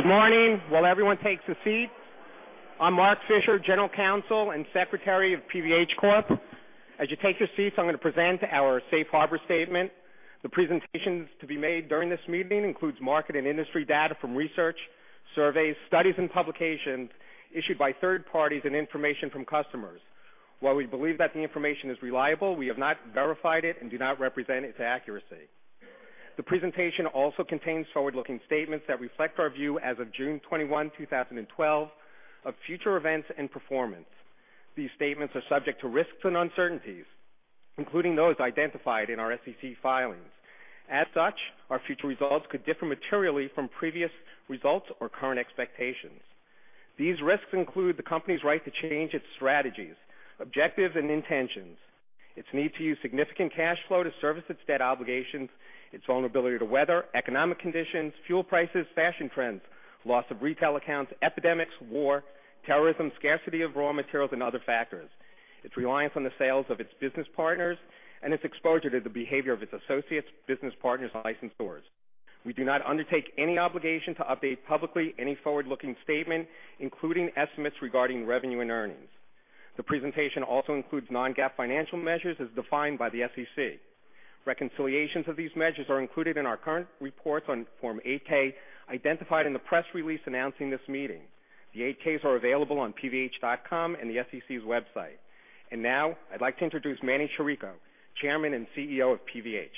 Good morning. While everyone takes a seat, I'm Mark Fischer, General Counsel and Secretary of PVH Corp. As you take your seats, I'm going to present our safe harbor statement. The presentations to be made during this meeting includes market and industry data from research, surveys, studies, and publications issued by third parties and information from customers. While we believe that the information is reliable, we have not verified it and do not represent its accuracy. The presentation also contains forward-looking statements that reflect our view as of June 21, 2012, of future events and performance. These statements are subject to risks and uncertainties, including those identified in our SEC filings. As such, our future results could differ materially from previous results or current expectations. These risks include the company's right to change its strategies, objectives, and intentions, its need to use significant cash flow to service its debt obligations, its vulnerability to weather, economic conditions, fuel prices, fashion trends, loss of retail accounts, epidemics, war, terrorism, scarcity of raw materials, and other factors, its reliance on the sales of its business partners, and its exposure to the behavior of its associates, business partners, and license holders. We do not undertake any obligation to update publicly any forward-looking statement, including estimates regarding revenue and earnings. The presentation also includes non-GAAP financial measures as defined by the SEC. Reconciliations of these measures are included in our current reports on Form 8-K, identified in the press release announcing this meeting. The 8-Ks are available on pvh.com and the SEC's website. Now I'd like to introduce Manny Chirico, Chairman and CEO of PVH.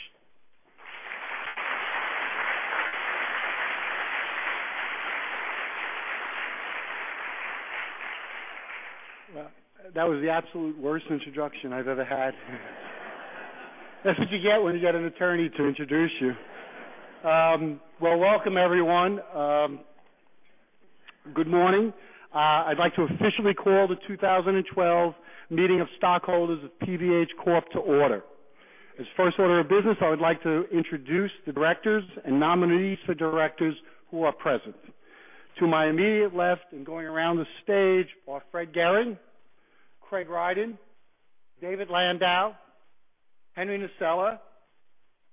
Well, that was the absolute worst introduction I've ever had. That's what you get when you get an attorney to introduce you. Well, welcome, everyone. Good morning. I'd like to officially call the 2012 meeting of stockholders of PVH Corp. to order. As first order of business, I would like to introduce the directors and nominees for directors who are present. To my immediate left and going around the stage are Fred Gehring, Craig Rydin, David Landau, Henry Nasella,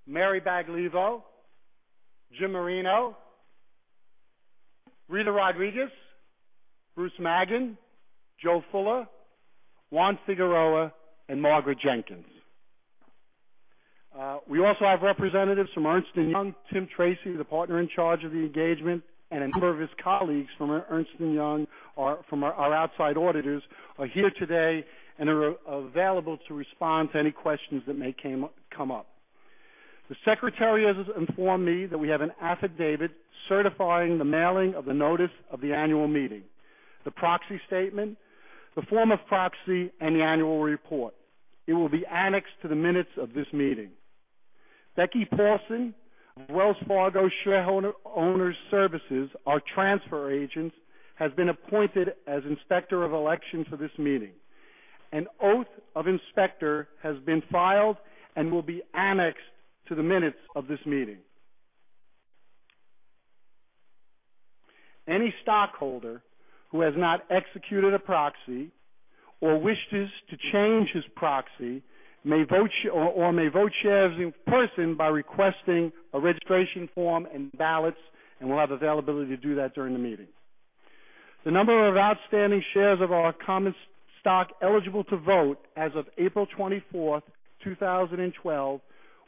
Mary Baglivo, Jim Marino, Rita Rodriguez, Bruce Maggin, Joe Fuller, Juan Figueroa, and Margaret Jenkins. We also have representatives from Ernst & Young. Tim Tracy, the partner in charge of the engagement, and a number of his colleagues from Ernst & Young, our outside auditors, are here today and are available to respond to any questions that may come up. The Secretary has informed me that we have an affidavit certifying the mailing of the notice of the annual meeting, the proxy statement, the form of proxy, and the annual report. It will be annexed to the minutes of this meeting. Becky Paulson of Wells Fargo Shareowner Services, our transfer agents, has been appointed as Inspector of Election for this meeting. An oath of inspector has been filed and will be annexed to the minutes of this meeting. Any stockholder who has not executed a proxy or wishes to change his proxy or may vote shares in person by requesting a registration form and ballots, and will have availability to do that during the meeting. The number of outstanding shares of our common stock eligible to vote as of April 24th, 2012,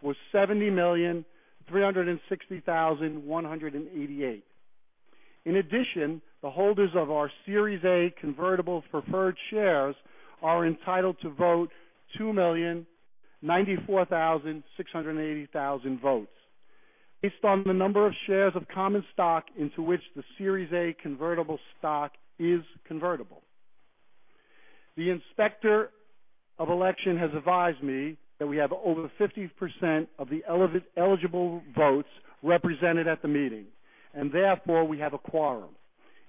was 70,360,188. In addition, the holders of our Series A convertible preferred shares are entitled to vote 2,094,680 votes based on the number of shares of common stock into which the Series A convertible stock is convertible. The Inspector of Election has advised me that we have over 50% of the eligible votes represented at the meeting, therefore we have a quorum.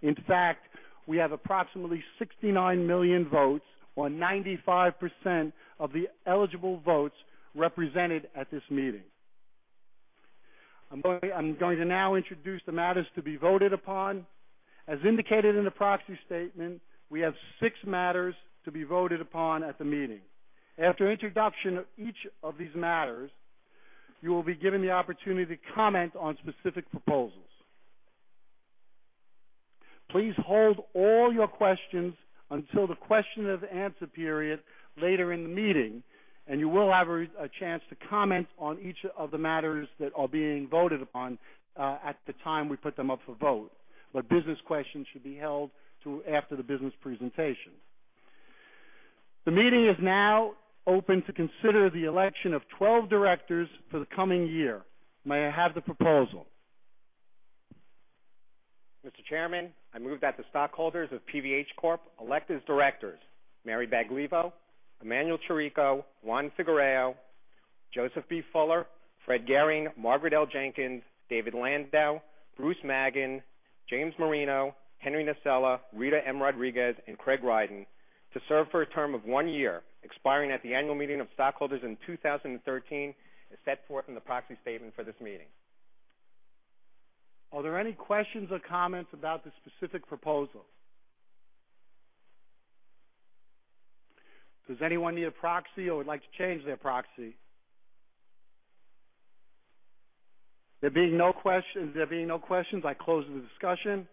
In fact, we have approximately 69 million votes, or 95% of the eligible votes represented at this meeting. I'm going to now introduce the matters to be voted upon. As indicated in the proxy statement, we have 6 matters to be voted upon at the meeting. After introduction of each of these matters, you will be given the opportunity to comment on specific proposals. Please hold all your questions until the question and answer period later in the meeting, you will have a chance to comment on each of the matters that are being voted upon at the time we put them up for vote. Business questions should be held to after the business presentation. The meeting is now open to consider the election of 12 directors for the coming year. May I have the proposal? Mr. Chairman, I move that the stockholders of PVH Corp. elect as directors Mary Baglivo, Emanuel Chirico, Juan Figueroa, Joseph L. Fuller, Fred Gehring, Margaret L. Jenkins, David Landau, Bruce Magan, James Marino, Henry Nasella, Rita M. Rodriguez, and Craig Rydin to serve for a term of one year, expiring at the annual meeting of stockholders in 2013 as set forth in the proxy statement for this meeting. Are there any questions or comments about the specific proposal? Does anyone need a proxy or would like to change their proxy? There being no questions, I close the discussion.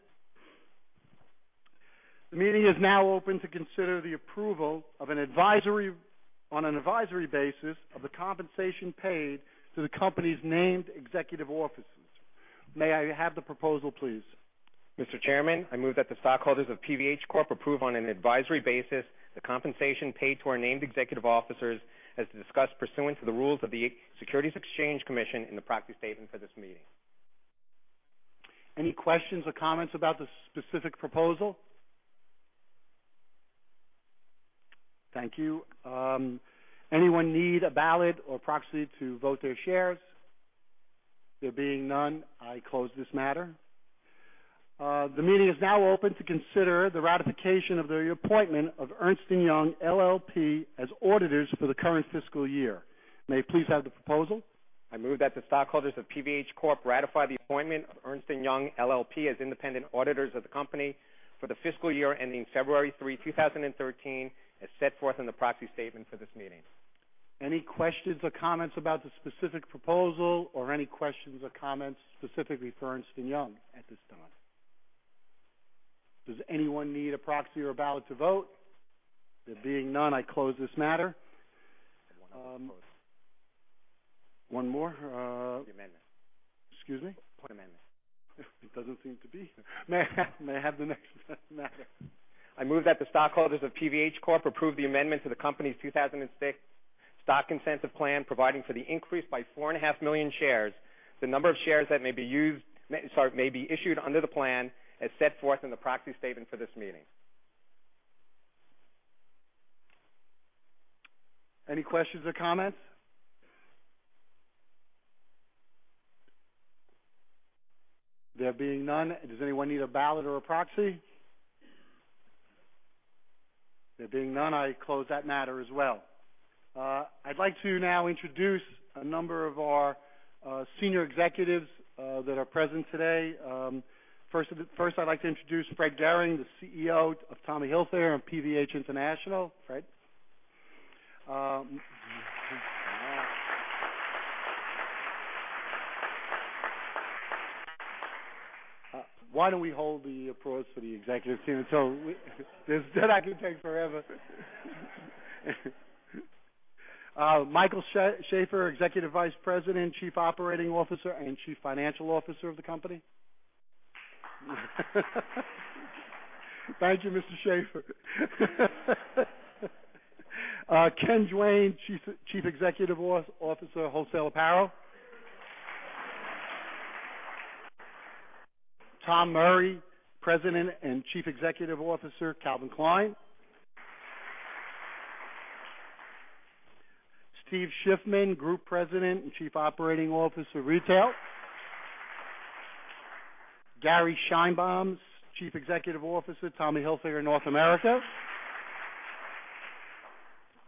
The meeting is now open to consider the approval on an advisory basis of the compensation paid to the company's named executive officers. May I have the proposal, please? Mr. Chairman, I move that the stockholders of PVH Corp. approve on an advisory basis the compensation paid to our named executive officers, as discussed pursuant to the rules of the Securities Exchange Commission in the proxy statement for this meeting. Any questions or comments about this specific proposal? Thank you. Anyone need a ballot or proxy to vote their shares? There being none, I close this matter. The meeting is now open to consider the ratification of the appointment of Ernst & Young LLP as auditors for the current fiscal year. May I please have the proposal? I move that the stockholders of PVH Corp. ratify the appointment of Ernst & Young LLP as independent auditors of the company for the fiscal year ending February 3, 2013, as set forth in the proxy statement for this meeting. Any questions or comments about the specific proposal, or any questions or comments specifically for Ernst & Young at this time? Does anyone need a proxy or ballot to vote? There being none, I close this matter. One of them closed. One more? The amendment. Excuse me? The amendment. It doesn't seem to be. May I have the next matter? I move that the stockholders of PVH Corp. approve the amendment to the company's 2006 Stock Incentive Plan, providing for the increase by four and a half million shares. The number of shares that may be issued under the plan, as set forth in the proxy statement for this meeting. Any questions or comments? There being none, does anyone need a ballot or a proxy? There being none, I close that matter as well. I'd like to now introduce a number of our senior executives that are present today. First I'd like to introduce Fred Gehring, the CEO of Tommy Hilfiger and PVH International. Fred? Why don't we hold the applause for the executive team until this could take forever. Michael Shaffer, Executive Vice President, Chief Operating Officer, and Chief Financial Officer of the company. Thank you, Mr. Shaffer. Ken Duane, Chief Executive Officer, Wholesale Apparel. Tom Murry, President and Chief Executive Officer, Calvin Klein. Steve Shiffman, Group President and Chief Operating Officer, Retail. Gary Sheinbaum, Chief Executive Officer, Tommy Hilfiger North America.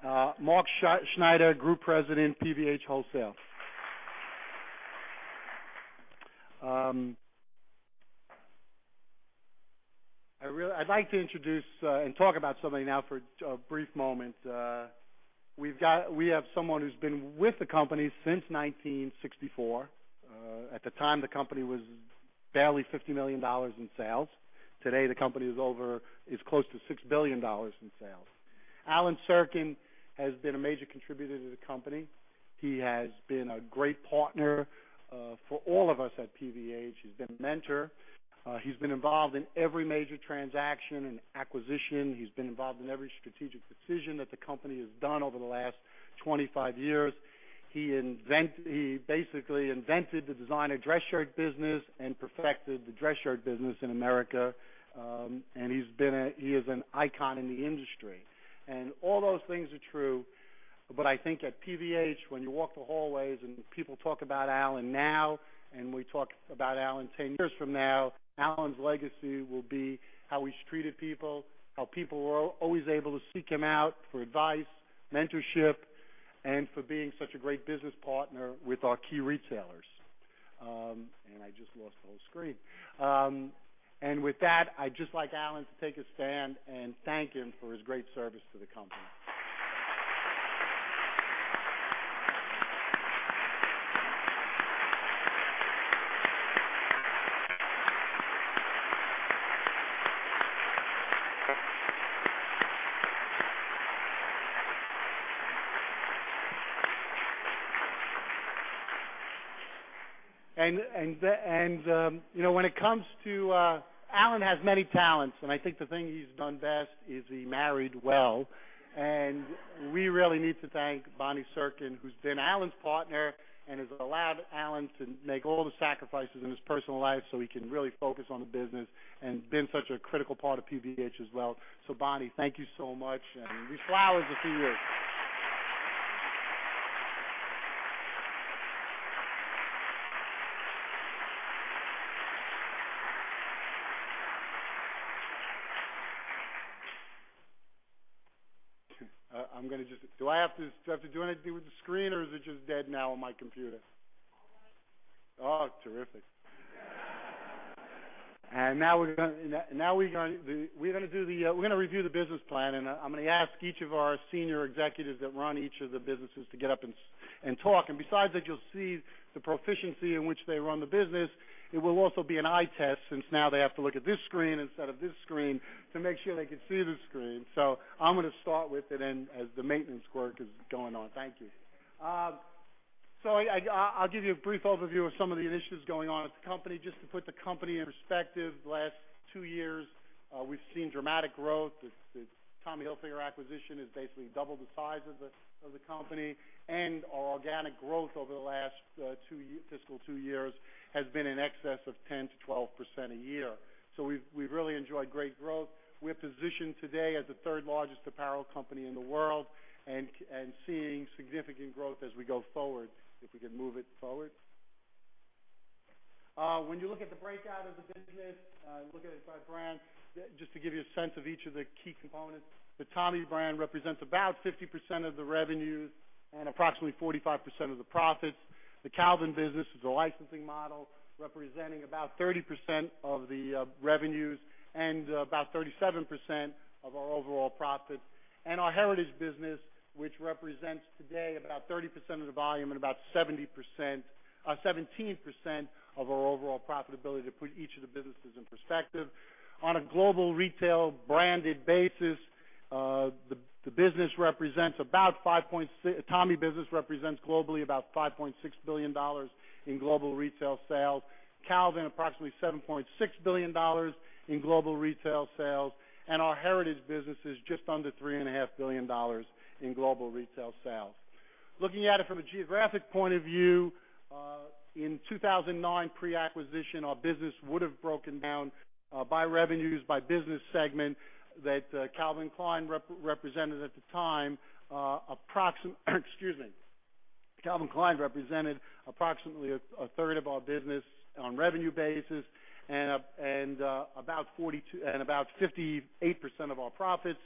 Marc Schneider, Group President, PVH Wholesale. I'd like to introduce and talk about somebody now for a brief moment. We have someone who's been with the company since 1964. At the time, the company was barely $50 million in sales. Today, the company is close to $6 billion in sales. Alan Sirkin has been a major contributor to the company. He has been a great partner for all of us at PVH. He's been a mentor. He's been involved in every major transaction and acquisition. He's been involved in every strategic decision that the company has done over the last 25 years. He basically invented the designer dress shirt business and perfected the dress shirt business in America. He is an icon in the industry. All those things are true, but I think at PVH, when you walk the hallways and people talk about Alan now, we talk about Alan 10 years from now, Alan's legacy will be how he's treated people, how people were always able to seek him out for advice, mentorship, and for being such a great business partner with our key retailers. I just lost the whole screen. With that, I'd just like Alan to take a stand and thank him for his great service to the company. When it comes to Alan has many talents, I think the thing he's done best is he married well. We really need to thank Bonnie Sirkin, who's been Alan's partner and has allowed Alan to make all the sacrifices in his personal life so he can really focus on the business and been such a critical part of PVH as well. Bonnie, thank you so much, and these flowers are for you. Do I have to do anything with the screen, or is it just dead now on my computer? It's on. Oh, terrific. Now we're going to review the business plan, I'm going to ask each of our senior executives that run each of the businesses to get up and talk. Besides that, you'll see the proficiency in which they run the business. It will also be an eye test, since now they have to look at this screen instead of this screen to make sure they can see the screen. I'm going to start with it, and as the maintenance work is going on. Thank you. I'll give you a brief overview of some of the initiatives going on at the company. Just to put the company in perspective, the last two years, we've seen dramatic growth. The Tommy Hilfiger acquisition has basically doubled the size of the company. Our organic growth over the last fiscal two years has been in excess of 10%-12% a year. We've really enjoyed great growth. We're positioned today as the third largest apparel company in the world and seeing significant growth as we go forward. If we could move it forward. When you look at the breakout of the business, look at it by brand, just to give you a sense of each of the key components. The Tommy brand represents about 50% of the revenues and approximately 45% of the profits. The Calvin business is a licensing model representing about 30% of the revenues and about 37% of our overall profits. Our Heritage Brands business, which represents today about 30% of the volume and about 17% of our overall profitability, to put each of the businesses in perspective. On a global retail branded basis, the Tommy business represents globally about $5.6 billion in global retail sales. Calvin, approximately $7.6 billion in global retail sales. Our Heritage Brands business is just under $3.5 billion in global retail sales. Looking at it from a geographic point of view, in 2009 pre-acquisition, our business would have broken down by revenues, by business segment, that Calvin Klein represented at the time, approximately a third of our business on revenue basis and about 58% of our profits.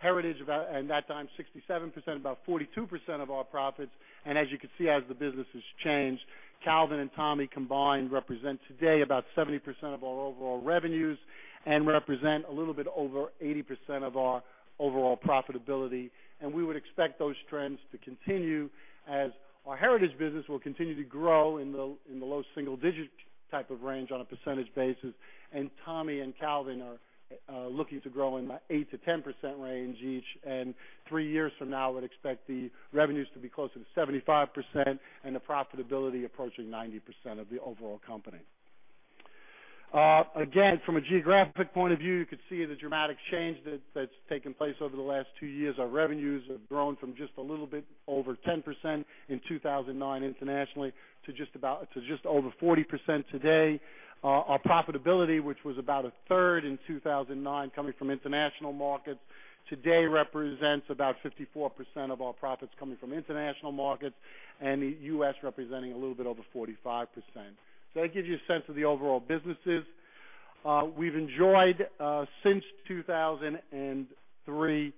Heritage Brands, at that time, 67%, about 42% of our profits. As you can see, as the business has changed, Calvin and Tommy combined represent today about 70% of our overall revenues and represent a little bit over 80% of our overall profitability. We would expect those trends to continue as our Heritage Brands business will continue to grow in the low single-digit type of range on a percentage basis. Tommy and Calvin are looking to grow in the 8%-10% range each, and three years from now, I would expect the revenues to be closer to 75% and the profitability approaching 90% of the overall company. Again, from a geographic point of view, you could see the dramatic change that's taken place over the last two years. Our revenues have grown from just a little bit over 10% in 2009 internationally to just over 40% today. Our profitability, which was about a third in 2009 coming from international markets, today represents about 54% of our profits coming from international markets, and the U.S. representing a little bit over 45%. That gives you a sense of the overall businesses. We've enjoyed, since 2003,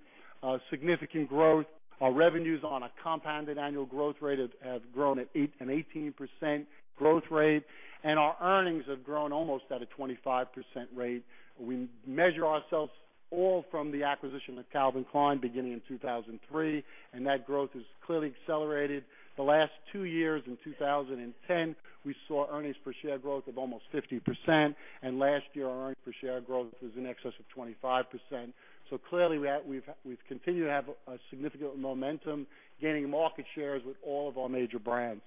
significant growth. Our revenues on a compounded annual growth rate have grown at an 18% growth rate, and our earnings have grown almost at a 25% rate. We measure ourselves all from the acquisition of Calvin Klein beginning in 2003, and that growth has clearly accelerated. The last two years. In 2010, we saw earnings per share growth of almost 50%, and last year, our earnings per share growth was in excess of 25%. Clearly, we've continued to have a significant momentum gaining market shares with all of our major brands.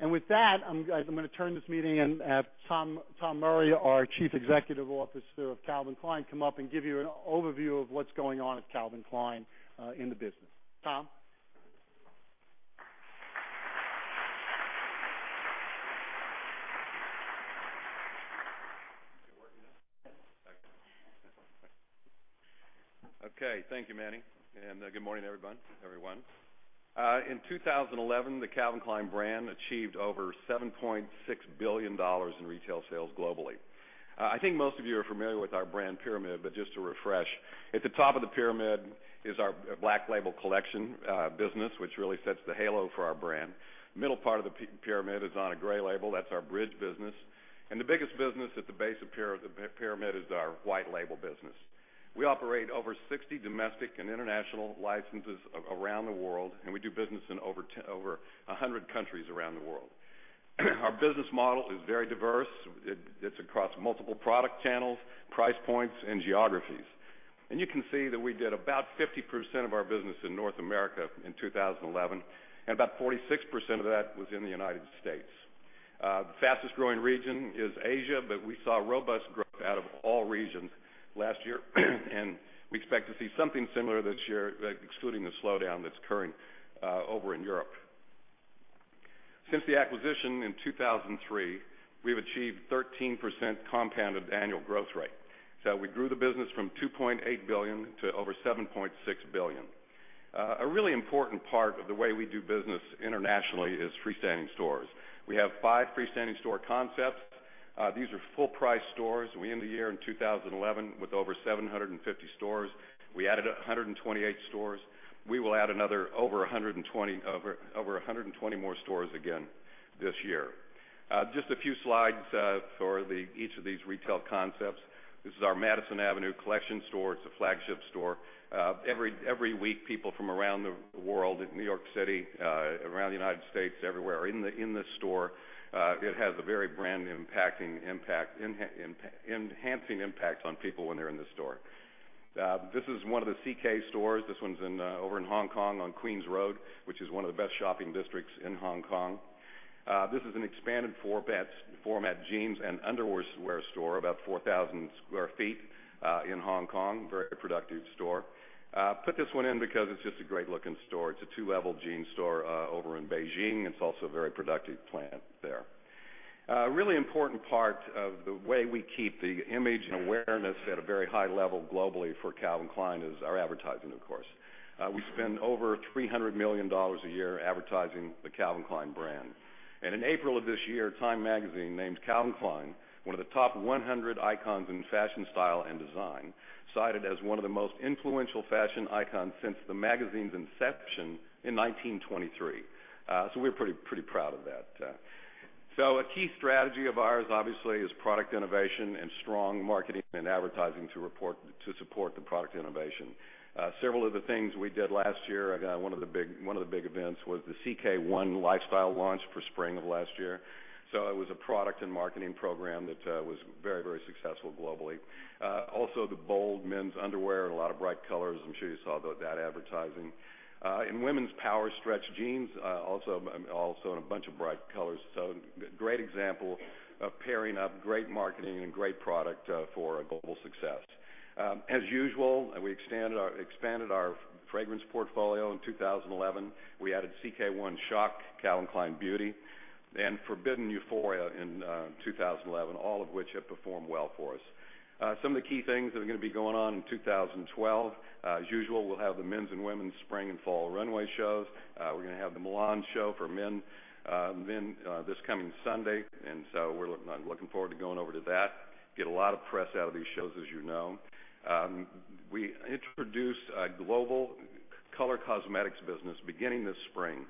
With that, I'm going to turn this meeting and have Tom Murry, our Chief Executive Officer of Calvin Klein, come up and give you an overview of what's going on at Calvin Klein in the business. Tom. Is it working now? Okay. Okay, thank you, Manny, and good morning everyone. In 2011, the Calvin Klein brand achieved over $7.6 billion in retail sales globally. I think most of you are familiar with our brand pyramid, but just to refresh. At the top of the pyramid is our black label collection business, which really sets the halo for our brand. Middle part of the pyramid is on a gray label. That's our bridge business. The biggest business at the base of the pyramid is our white label business. We operate over 60 domestic and international licenses around the world, and we do business in over 100 countries around the world. Our business model is very diverse. It's across multiple product channels, price points, and geographies. You can see that we did about 50% of our business in North America in 2011, and about 46% of that was in the U.S. The fastest growing region is Asia, but we saw robust growth out of all regions last year, and we expect to see something similar this year, excluding the slowdown that's occurring over in Europe. Since the acquisition in 2003, we've achieved 13% compounded annual growth rate. We grew the business from $2.8 billion to over $7.6 billion. A really important part of the way we do business internationally is freestanding stores. We have five freestanding store concepts. These are full-price stores. We end the year in 2011 with over 750 stores. We added 128 stores. We will add over 120 more stores again this year. Just a few slides for each of these retail concepts. This is our Madison Avenue collection store. It's a flagship store. Every week, people from around the world, in New York City, around the U.S., everywhere, are in this store. It has a very brand enhancing impact on people when they're in the store. This is one of the CK stores. This one's over in Hong Kong on Queen's Road, which is one of the best shopping districts in Hong Kong. This is an expanded format jeans and underwear store, about 4,000 sq ft in Hong Kong. Very productive store. Put this one in because it's just a great-looking store. It's a two-level jean store over in Beijing. It's also a very productive plant there. A really important part of the way we keep the image and awareness at a very high level globally for Calvin Klein is our advertising, of course. We spend over $300 million a year advertising the Calvin Klein brand. In April of this year, Time magazine named Calvin Klein one of the top 100 icons in fashion, style, and design, cited as one of the most influential fashion icons since the magazine's inception in 1923. We're pretty proud of that. A key strategy of ours, obviously, is product innovation and strong marketing and advertising to support the product innovation. Several of the things we did last year, one of the big events was the CK One lifestyle launch for spring of last year. It was a product and marketing program that was very successful globally. Also, the bold men's underwear and a lot of bright colors. I'm sure you saw that advertising. In women's power stretch jeans, also in a bunch of bright colors. Great example of pairing up great marketing and great product for a global success. As usual, we expanded our fragrance portfolio in 2011. We added CK One Shock, Calvin Klein Beauty, and Forbidden Euphoria in 2011, all of which have performed well for us. Some of the key things that are going to be going on in 2012. As usual, we'll have the men's and women's spring and fall runway shows. We're going to have the Milan show for men this coming Sunday. I'm looking forward to going over to that. Get a lot of press out of these shows, as you know. We introduce a global color cosmetics business beginning this spring.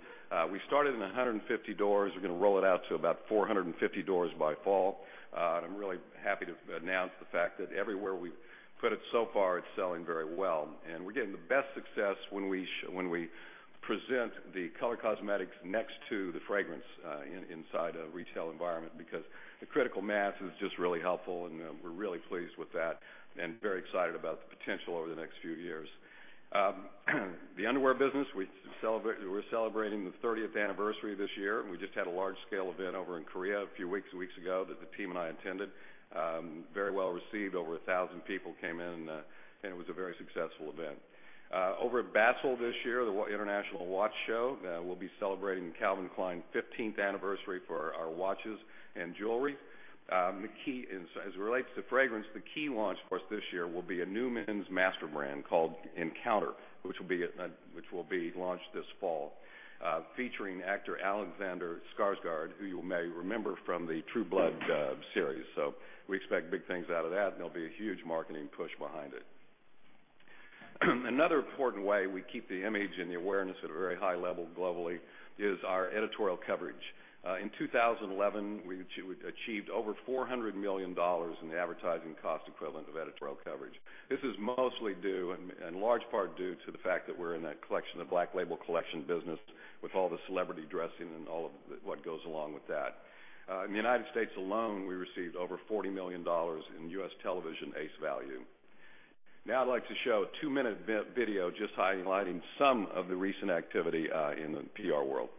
We started in 150 doors. We're going to roll it out to about 450 doors by fall. I'm really happy to announce the fact that everywhere we've put it so far, it's selling very well. We're getting the best success when we present the color cosmetics next to the fragrance inside a retail environment because the critical mass is just really helpful, and we're really pleased with that and very excited about the potential over the next few years. The underwear business, we're celebrating the 30th anniversary this year. We just had a large-scale event over in Korea a few weeks ago that the team and I attended. Very well received. Over 1,000 people came in. It was a very successful event. Over at Basel this year, the international watch show, we'll be celebrating Calvin Klein 15th anniversary for our watches and jewelry. As it relates to fragrance, the key launch for us this year will be a new men's master brand called Encounter, which will be launched this fall, featuring actor Alexander Skarsgård, who you may remember from the "True Blood" series. We expect big things out of that. There'll be a huge marketing push behind it. Another important way we keep the image and the awareness at a very high level globally is our editorial coverage. In 2011, we achieved over $400 million in the advertising cost equivalent of editorial coverage. This is mostly due, in large part, due to the fact that we're in that collection of black label collection business with all the celebrity dressing and all of what goes along with that. In the U.S. alone, we received over $40 million in U.S. television ACE value. {Presentation} This is just really a small part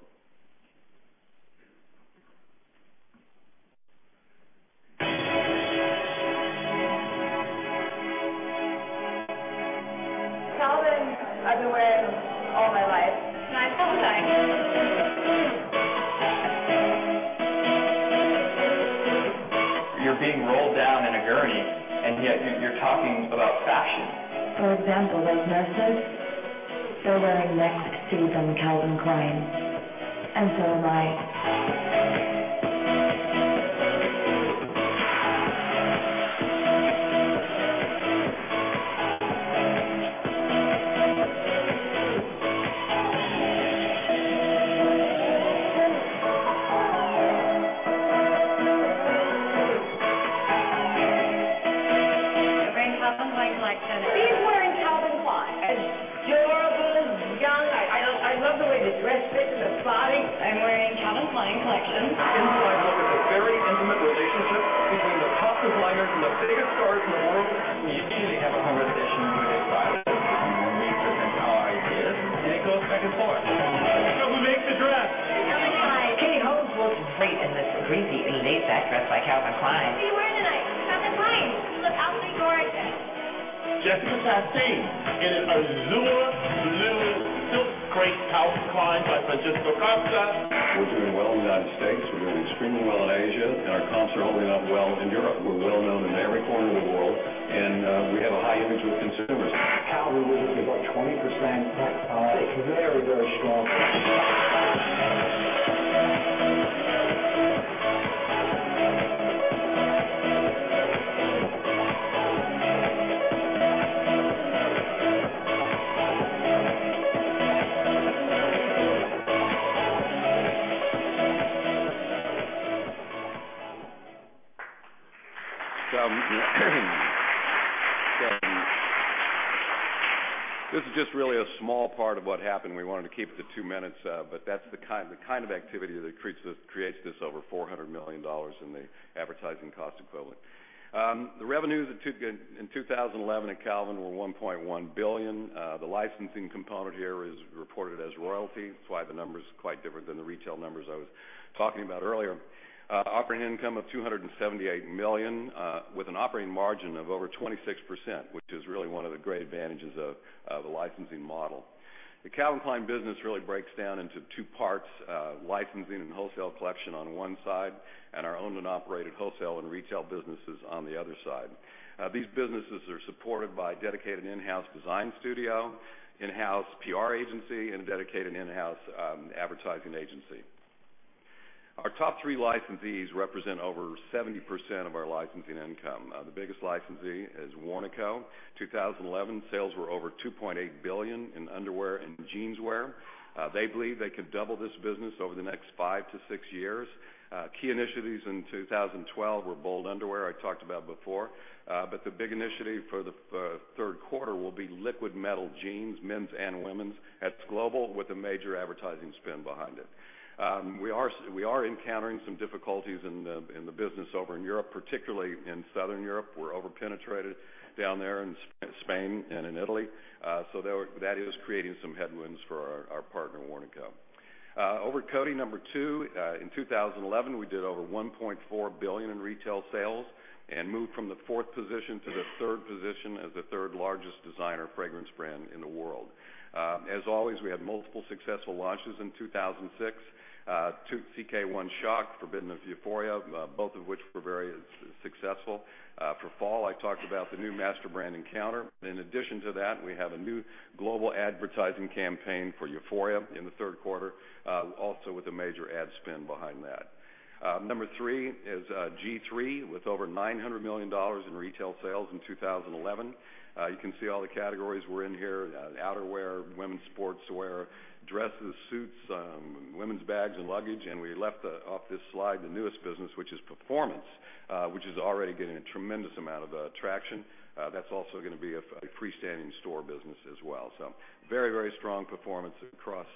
of what happened. We wanted to keep it to two minutes. That's the kind of activity that creates this over $400 million in the advertising cost equivalent. The revenues in 2011 at Calvin were $1.1 billion. The licensing component here is reported as royalty. That's why the number's quite different than the retail numbers I was talking about earlier. Operating income of $278 million, with an operating margin of over 26%, which is really one of the great advantages of the licensing model. The Calvin Klein business really breaks down into two parts, licensing and wholesale collection on one side, and our owned and operated wholesale and retail businesses on the other side. These businesses are supported by a dedicated in-house design studio, in-house PR agency, and a dedicated in-house advertising agency. Our top three licensees represent over 70% of our licensing income. The biggest licensee is Warnaco. 2011 sales were over $2.8 billion in underwear and jeanswear. They believe they can double this business over the next five to six years. Key initiatives in 2012 were bold underwear, I talked about before, but the big initiative for the third quarter will be Liquid Metal jeans, men's and women's. That's global, with a major advertising spin behind it. We are encountering some difficulties in the business over in Europe, particularly in Southern Europe. We're over-penetrated down there in Spain and in Italy. That is creating some headwinds for our partner, Warnaco. Over at Coty, number 2, in 2011, we did over $1.4 billion in retail sales and moved from the fourth position to the third position as the third-largest designer fragrance brand in the world. As always, we had multiple successful launches in 2006. Two CK One Shock, Forbidden Euphoria, both of which were very successful. For fall, I talked about the new master brand Encounter. In addition to that, we have a new global advertising campaign for Euphoria in the third quarter, also with a major ad spin behind that. Number 3 is G-III, with over $900 million in retail sales in 2011. You can see all the categories we're in here, outerwear, women's sportswear, dresses, suits, women's bags and luggage, and we left off this slide the newest business, which is Calvin Klein Performance, which is already getting a tremendous amount of traction. That's also going to be a freestanding store business as well. Very strong performance across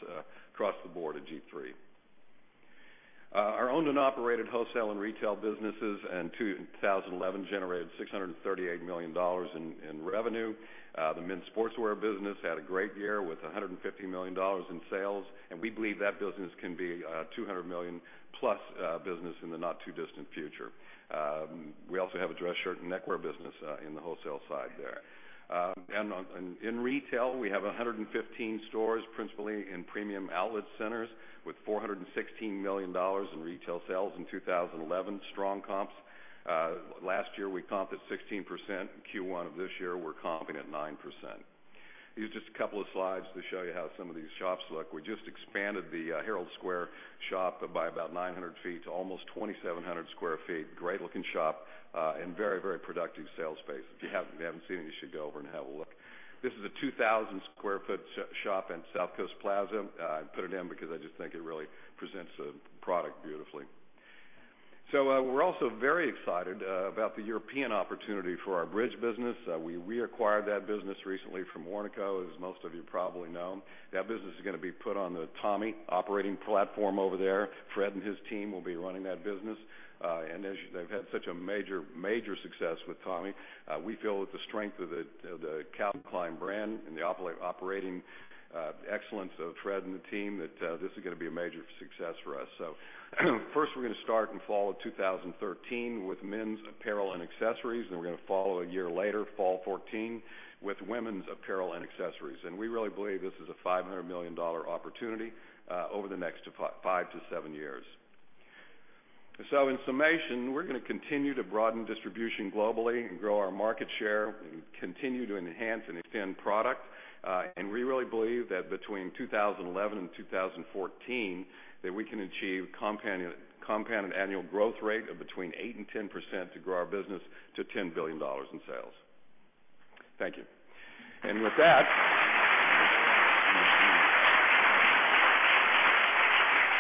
the board at G-III. Our owned and operated wholesale and retail businesses in 2011 generated $638 million in revenue. The men's sportswear business had a great year with $150 million in sales, and we believe that business can be a $200 million-plus business in the not too distant future. We also have a dress shirt and neckwear business in the wholesale side there. In retail, we have 115 stores, principally in premium outlet centers, with $416 million in retail sales in 2011. Strong comps. Last year, we comped at 16%. In Q1 of this year, we're comping at 9%. These are just a couple of slides to show you how some of these shops look. We just expanded the Herald Square shop by about 900 sq ft to almost 2,700 sq ft. Great looking shop, and very productive sales space. If you haven't seen it, you should go over and have a look. This is a 2,000 sq ft shop in South Coast Plaza. I put it in because I just think it really presents the product beautifully. We're also very excited about the European opportunity for our Bridge business. We reacquired that business recently from Warnaco, as most of you probably know. That business is going to be put on the Tommy operating platform over there. Fred and his team will be running that business. As they've had such a major success with Tommy, we feel that the strength of the Calvin Klein brand and the operating excellence of Fred and the team, that this is going to be a major success for us. First we're going to start in fall of 2013 with men's apparel and accessories, then we're going to follow a year later, fall 2014, with women's apparel and accessories. We really believe this is a $500 million opportunity over the next five to seven years. In summation, we're going to continue to broaden distribution globally and grow our market share. We continue to enhance and extend product. We really believe that between 2011 and 2014, that we can achieve compounded annual growth rate of between 8% and 10% to grow our business to $10 billion in sales. Thank you. With that,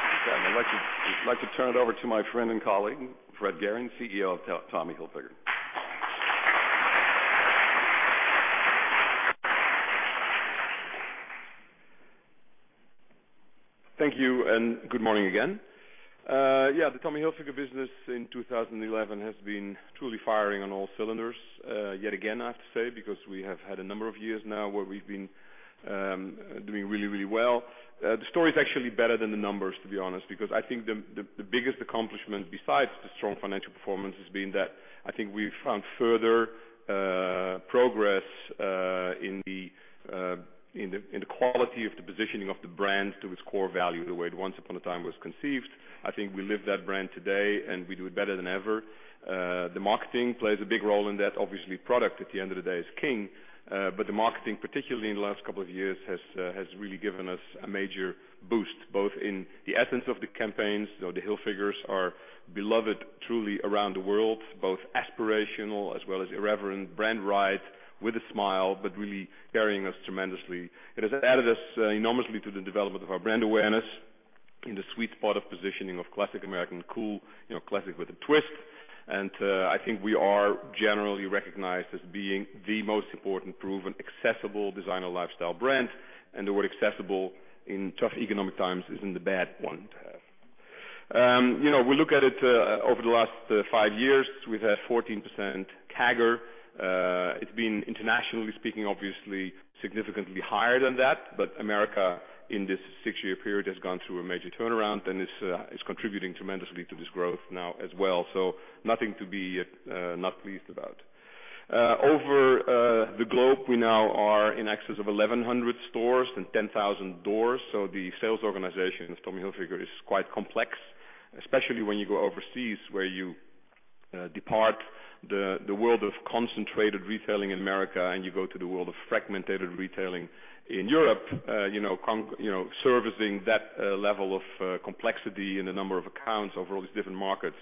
I'd like to turn it over to my friend and colleague, Fred Gehring, CEO of Tommy Hilfiger. Thank you, good morning again. The Tommy Hilfiger business in 2011 has been truly firing on all cylinders. Yet again, I have to say, because we have had a number of years now where we've been doing really, really well. The story is actually better than the numbers, to be honest, because I think the biggest accomplishment besides the strong financial performance has been that I think we've found further progress in the quality of the positioning of the brand to its core value, the way it once upon a time was conceived. I think we live that brand today, and we do it better than ever. The marketing plays a big role in that. Obviously, product, at the end of the day, is king. The marketing, particularly in the last couple of years, has really given us a major boost, both in the essence of the campaigns. The Hilfigers are beloved truly around the world, both aspirational as well as irreverent. Brand right with a smile, but really carrying us tremendously. It has added us enormously to the development of our brand awareness in the sweet spot of positioning of classic American cool, classic with a twist. I think we are generally recognized as being the most important proven accessible designer lifestyle brand. The word accessible in tough economic times isn't a bad one to have. We look at it, over the last five years, we've had 14% CAGR. It's been, internationally speaking, obviously, significantly higher than that. America, in this six-year period, has gone through a major turnaround and is contributing tremendously to this growth now as well. Nothing to be not pleased about. Over the globe, we now are in excess of 1,100 stores and 10,000 doors. The sales organization of Tommy Hilfiger is quite complex, especially when you go overseas, where you depart the world of concentrated retailing in America, and you go to the world of fragmented retailing in Europe. Servicing that level of complexity in the number of accounts over all these different markets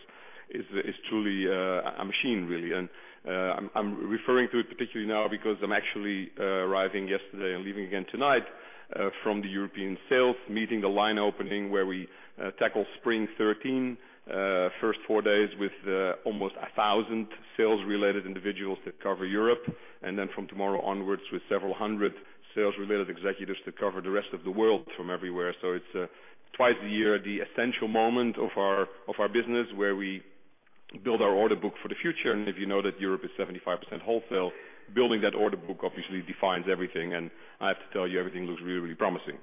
is truly a machine, really. I'm referring to it particularly now because I'm actually arriving yesterday and leaving again tonight from the European sales. Meeting the line opening, where we tackle spring 2013. First four days with almost 1,000 sales-related individuals that cover Europe. From tomorrow onwards, with several hundred sales-related executives that cover the rest of the world from everywhere. It's twice a year, the essential moment of our business, where we build our order book for the future. If you know that Europe is 75% wholesale, building that order book obviously defines everything. I have to tell you, everything looks really, really promising.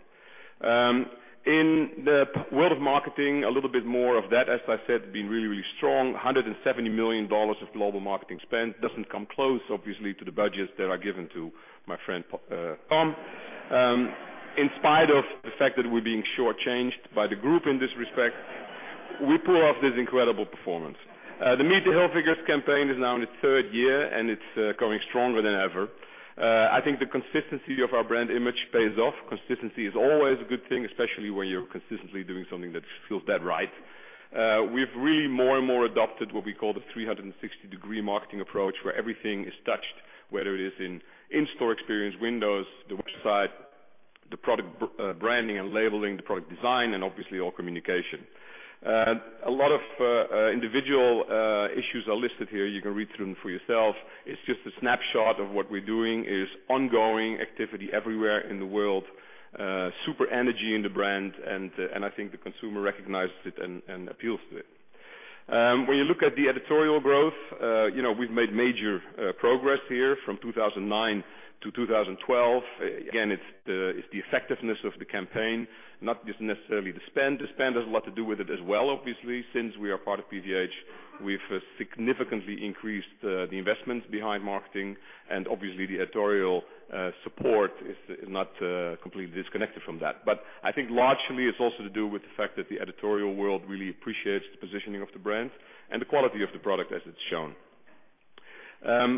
In the world of marketing, a little bit more of that. As I said, been really, really strong. $170 million of global marketing spend. Doesn't come close, obviously, to the budgets that are given to my friend, Tom. In spite of the fact that we're being short-changed by the group in this respect, we pull off this incredible performance. The Meet the Hilfigers campaign is now in its third year, and it's going stronger than ever. I think the consistency of our brand image pays off. Consistency is always a good thing, especially when you're consistently doing something that feels dead right. We've really more and more adopted what we call the 360-degree marketing approach, where everything is touched. Whether it is in in-store experience, windows, the website, the product branding and labeling, the product design, and obviously, all communication. A lot of individual issues are listed here. You can read through them for yourself. It's just a snapshot of what we're doing. It is ongoing activity everywhere in the world. Super energy in the brand, and I think the consumer recognizes it and appeals to it. When you look at the editorial growth, we've made major progress here from 2009 to 2012. Again, it's the effectiveness of the campaign, not just necessarily the spend. The spend has a lot to do with it as well. Obviously, since we are part of PVH, we've significantly increased the investments behind marketing, and obviously, the editorial support is not completely disconnected from that. I think largely it's also to do with the fact that the editorial world really appreciates the positioning of the brand and the quality of the product as it's shown.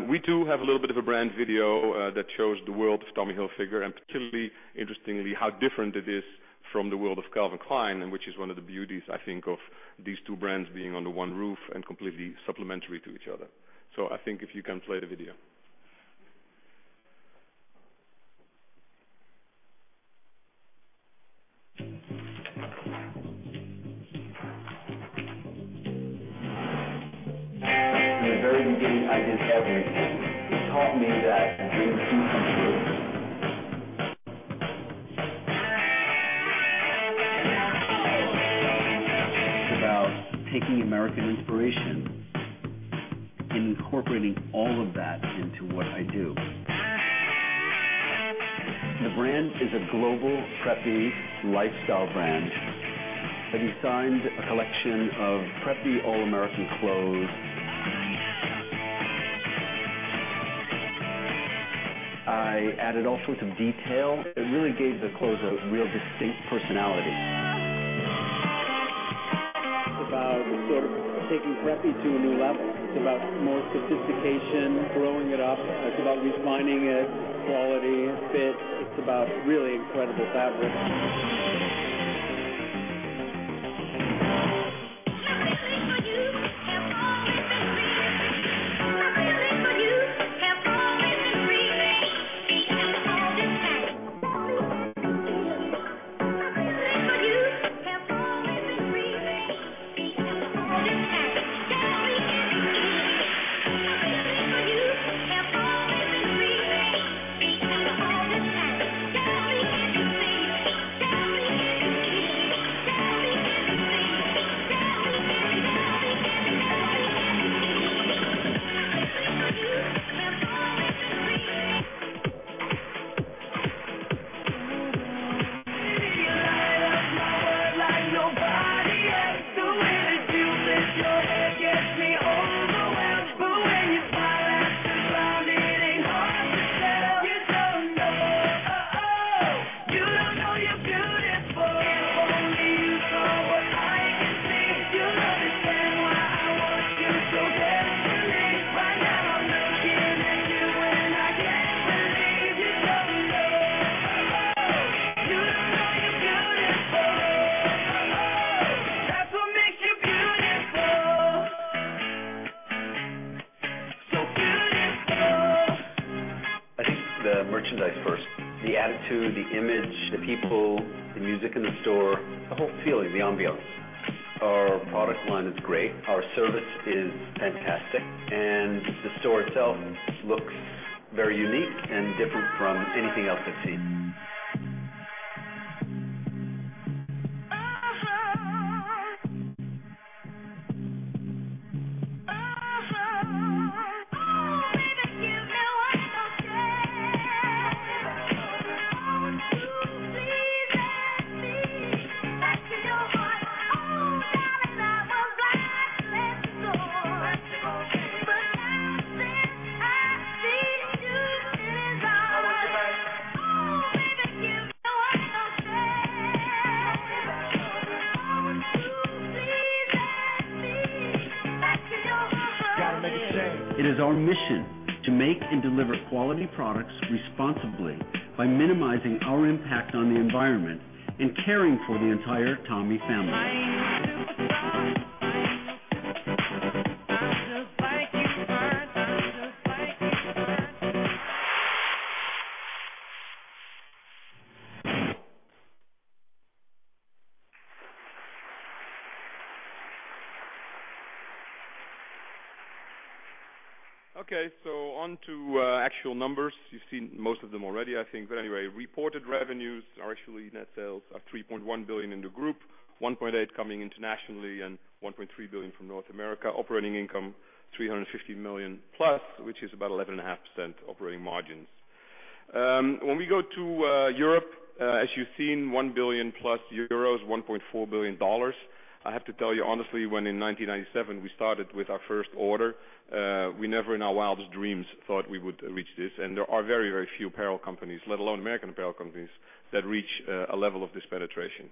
We do have a little bit of a brand video that shows the world of Tommy Hilfiger, and particularly interestingly, how different it is from the world of Calvin Klein. Which is one of the beauties, I think, of these two brands being under one roof and completely supplementary to each other. I think if you can play the video. In the very beginning, I did everything. It taught me that I can do anything I want. It's about taking American inspiration and incorporating all of that into what I do. The brand is a global, preppy, lifestyle brand that designs a collection of preppy, all-American clothes. I added all sorts of detail. It really gave the clothes a real distinct personality. It's about sort of taking preppy to a new level. It's about more sophistication, growing it up. It's about refining it. Quality, fit. It's about really incredible fabric. You I ain't no superstar. I'm just like you are. Okay. On to actual numbers. You've seen most of them already, I think. Anyway, reported revenues are actually net sales of $3.1 billion in the group, $1.8 billion coming internationally and $1.3 billion from North America. Operating income, $350 million plus, which is about 11.5% operating margins. When we go to Europe, as you've seen, 1 billion euros plus, $1.4 billion. I have to tell you honestly, when in 1997, we started with our first order, we never in our wildest dreams thought we would reach this. There are very, very few apparel companies, let alone American apparel companies, that reach a level of this penetration.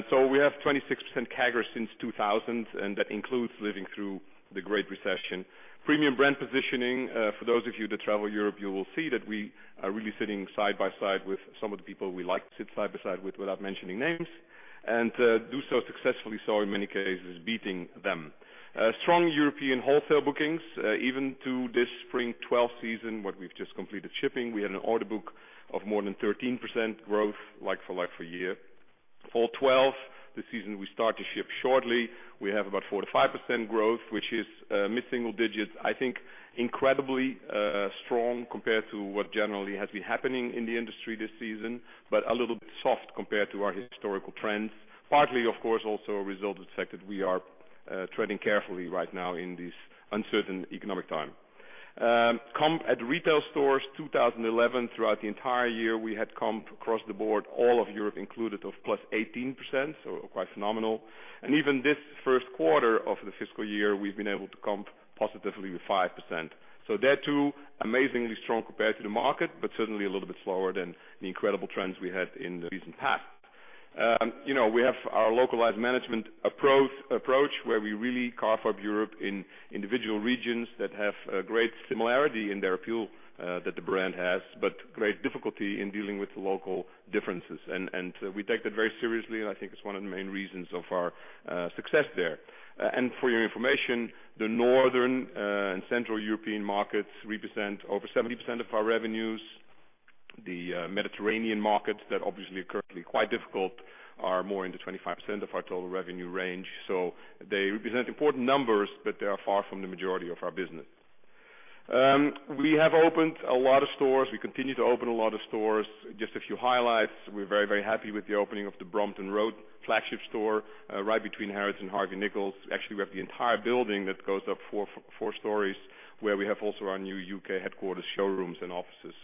We have 26% CAGR since 2000, and that includes living through the Great Recession. Premium brand positioning. For those of you that travel Europe, you will see that we are really sitting side by side with some of the people we like to sit side by side with, without mentioning names, and do so successfully in many cases, beating them. Strong European wholesale bookings even to this spring 2012 season, what we've just completed shipping. We had an order book of more than 13% growth, like-for-like for year. Fall 2012, the season we start to ship shortly, we have about 4%-5% growth, which is mid-single digits. I think incredibly strong compared to what generally has been happening in the industry this season, but a little bit soft compared to our historical trends. Partly, of course, also a result of the fact that we are treading carefully right now in this uncertain economic time. Comp at retail stores 2011. Throughout the entire year, we had comp across the board, all of Europe included, of +18%, quite phenomenal. Even this first quarter of the fiscal year, we've been able to comp positively with 5%. That too, amazingly strong compared to the market, but certainly a little bit slower than the incredible trends we had in the recent past. We have our localized management approach, where we really carve up Europe in individual regions that have a great similarity in their appeal that the brand has, but great difficulty in dealing with local differences. We take that very seriously, and I think it's one of the main reasons of our success there. For your information, the Northern and Central European markets represent over 70% of our revenues. The Mediterranean markets that obviously are currently quite difficult are more in the 25% of our total revenue range. They represent important numbers, but they are far from the majority of our business. We have opened a lot of stores. We continue to open a lot of stores. Just a few highlights. We're very, very happy with the opening of the Brompton Road flagship store, right between Harrods and Harvey Nichols. Actually, we have the entire building that goes up four stories, where we have also our new U.K. headquarters, showrooms, and offices.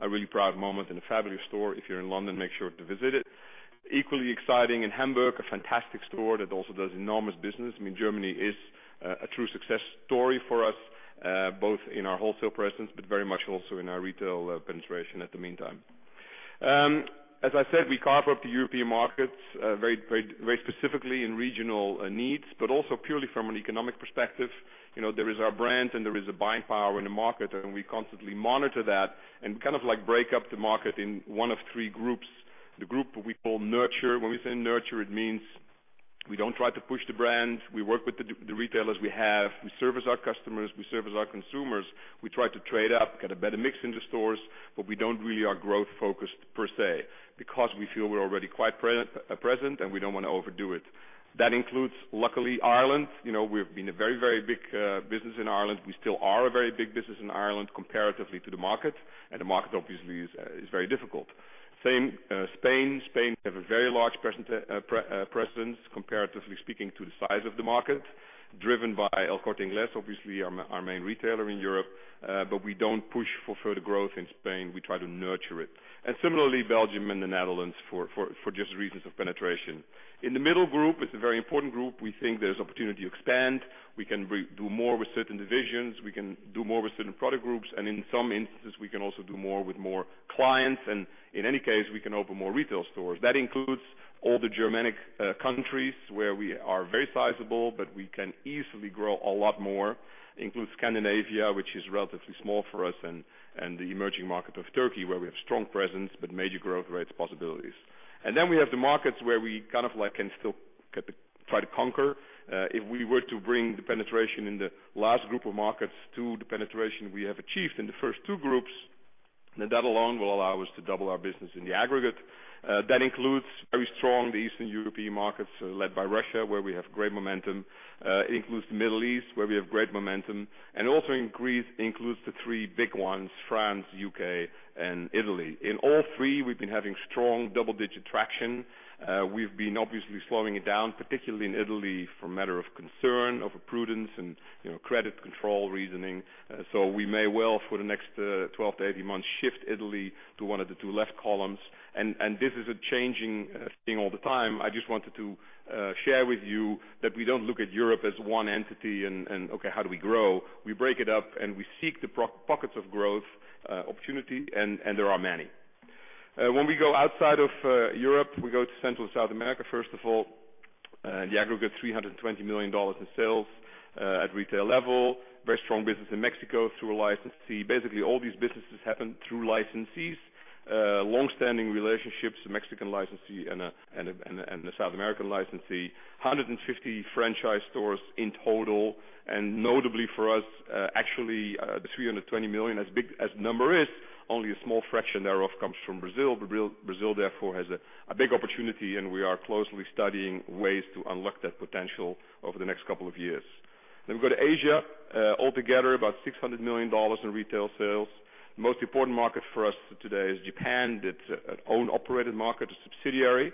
A really proud moment and a fabulous store. If you're in London, make sure to visit it. Equally exciting, in Hamburg, a fantastic store that also does enormous business. Germany is a true success story for us, both in our wholesale presence but very much also in our retail penetration at the meantime. As I said, we carve up the European markets very specifically in regional needs, but also purely from an economic perspective. There is our brands, and there is a buying power in the market, and we constantly monitor that and kind of break up the market in one of 3 groups. The group we call nurture. When we say nurture, it means we don't try to push the brands. We work with the retailers we have. We service our customers, we service our consumers. We try to trade up, get a better mix in the stores, but we don't really are growth-focused per se, because we feel we're already quite present, and we don't want to overdo it. That includes, luckily, Ireland. We've been a very big business in Ireland. We still are a very big business in Ireland comparatively to the market, and the market obviously is very difficult. Same, Spain. Spain, we have a very large presence, comparatively speaking to the size of the market, driven by El Corte Inglés, obviously our main retailer in Europe. We don't push for further growth in Spain. We try to nurture it. Similarly, Belgium and the Netherlands for just reasons of penetration. In the middle group, it's a very important group. We think there's opportunity to expand. We can do more with certain divisions. We can do more with certain product groups. In some instances, we can also do more with more clients. In any case, we can open more retail stores. That includes all the Germanic countries where we are very sizable, but we can easily grow a lot more. Includes Scandinavia, which is relatively small for us, and the emerging market of Turkey, where we have strong presence but major growth rates possibilities. We have the markets where we kind of can still try to conquer. If we were to bring the penetration in the last group of markets to the penetration we have achieved in the first 2 groups, that alone will allow us to double our business in the aggregate. That includes very strong the Eastern European markets, led by Russia, where we have great momentum. It includes the Middle East, where we have great momentum. Also includes the 3 big ones, France, U.K., and Italy. In all 3, we've been having strong double-digit traction. We've been obviously slowing it down, particularly in Italy for matter of concern, of a prudence and credit control reasoning. We may well, for the next 12-18 months, shift Italy to one of the 2 left columns. This is a changing thing all the time. I just wanted to share with you that we don't look at Europe as one entity. Okay, how do we grow? We break it up. We seek the pockets of growth opportunity. There are many. When we go outside of Europe, we go to Central and South America. First of all, the aggregate $320 million in sales, at retail level. Very strong business in Mexico through a licensee. Basically, all these businesses happen through licensees. Long-standing relationships, a Mexican licensee and a South American licensee. 150 franchise stores in total. Notably for us, actually, the $320 million, as big as number is, only a small fraction thereof comes from Brazil. Brazil, therefore, has a big opportunity. We are closely studying ways to unlock that potential over the next couple of years. We go to Asia. Altogether, about $600 million in retail sales. Most important market for us today is Japan. It's an own operated market, a subsidiary.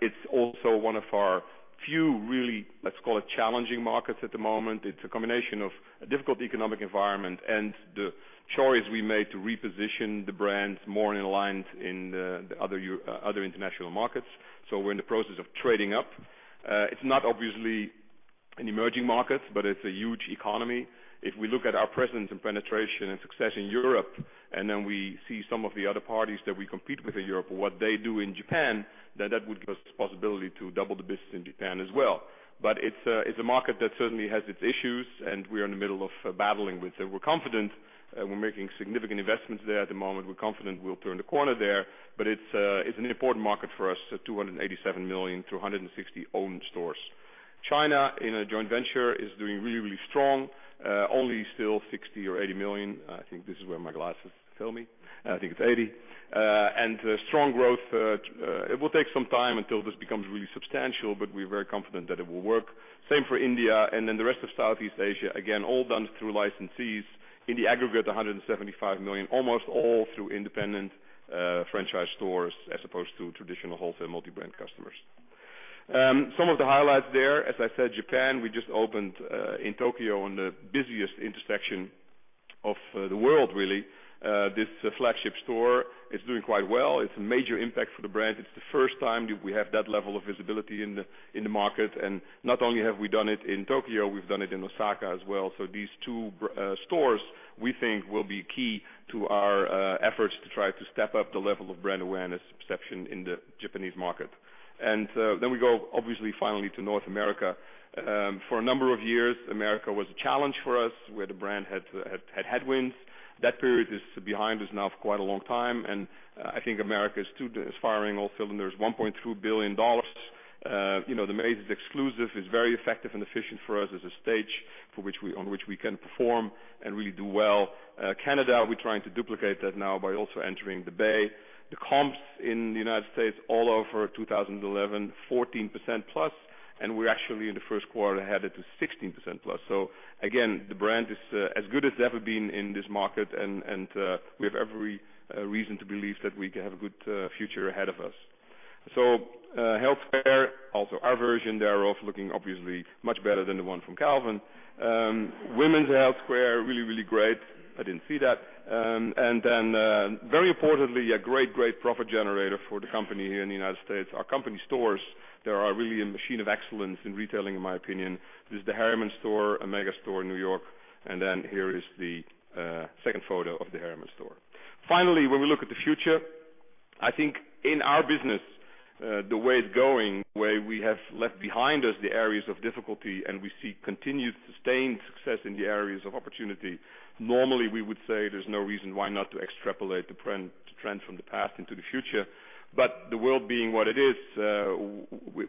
It's also one of our few, really, let's call it challenging markets at the moment. It's a combination of a difficult economic environment and the choice we made to reposition the brands more in alliance in the other international markets. We're in the process of trading up. It's not obviously an emerging market, but it's a huge economy. If we look at our presence and penetration and success in Europe, we see some of the other parties that we compete with in Europe and what they do in Japan, that would give us possibility to double the business in Japan as well. It's a market that certainly has its issues. We're in the middle of battling with it. We're confident. We're making significant investments there at the moment. We're confident we'll turn the corner there. It's an important market for us, $287 million, 260 owned stores. China, in a joint venture, is doing really strong. Only still $60 million or $80 million. I think this is where my glasses tell me. I think it's 80. Strong growth. It will take some time until this becomes really substantial. We're very confident that it will work. Same for India and then the rest of Southeast Asia. Again, all done through licensees. In the aggregate, $175 million, almost all through independent franchise stores as opposed to traditional wholesale multi-brand customers. Some of the highlights there, as I said, Japan. We just opened in Tokyo on the busiest intersection of the world, really. This flagship store is doing quite well. It's a major impact for the brand. It's the first time we have that level of visibility in the market. Not only have we done it in Tokyo, we've done it in Osaka as well. These two stores, we think, will be key to our efforts to try to step up the level of brand awareness perception in the Japanese market. We go, obviously, finally to North America. For a number of years, America was a challenge for us, where the brand had headwinds. That period is behind us now for quite a long time. I think America is firing all cylinders, $1.2 billion. The Macy's exclusive is very effective and efficient for us as a stage on which we can perform and really do well. Canada, we're trying to duplicate that now by also entering the Bay. The comps in the U.S. all over 2011, 14%+, we're actually in the first quarter headed to 16%+. Again, the brand is as good as it's ever been in this market, and we have every reason to believe that we have a good future ahead of us. Activewear, also our version thereof looking obviously much better than the one from Calvin. Women's activewear, really great. I didn't see that. Very importantly, a great profit generator for the company here in the U.S., our company stores. They are really a machine of excellence in retailing, in my opinion. This is the Harriman store, a mega store in New York, and here is the second photo of the Harriman store. When we look at the future, I think in our business, the way it's going, the way we have left behind us the areas of difficulty, we see continued sustained success in the areas of opportunity. Normally, we would say there's no reason why not to extrapolate the trend from the past into the future. The world being what it is,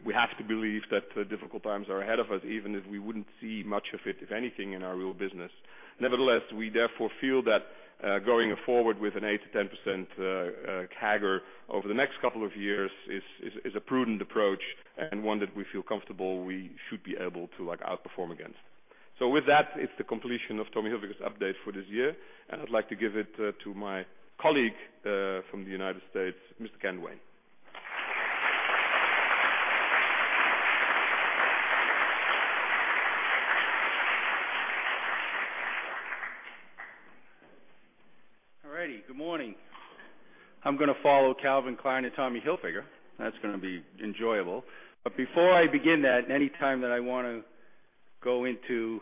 we have to believe that difficult times are ahead of us, even if we wouldn't see much of it, if anything, in our real business. Nevertheless, we therefore feel that going forward with an 8%-10% CAGR over the next couple of years is a prudent approach and one that we feel comfortable we should be able to outperform against. With that, it's the completion of Tommy Hilfiger's update for this year, and I'd like to give it to my colleague from the U.S., Mr. Ken Duane. All righty. Good morning. I'm going to follow Calvin Klein and Tommy Hilfiger. That's going to be enjoyable. Before I begin that, any time that I want to go into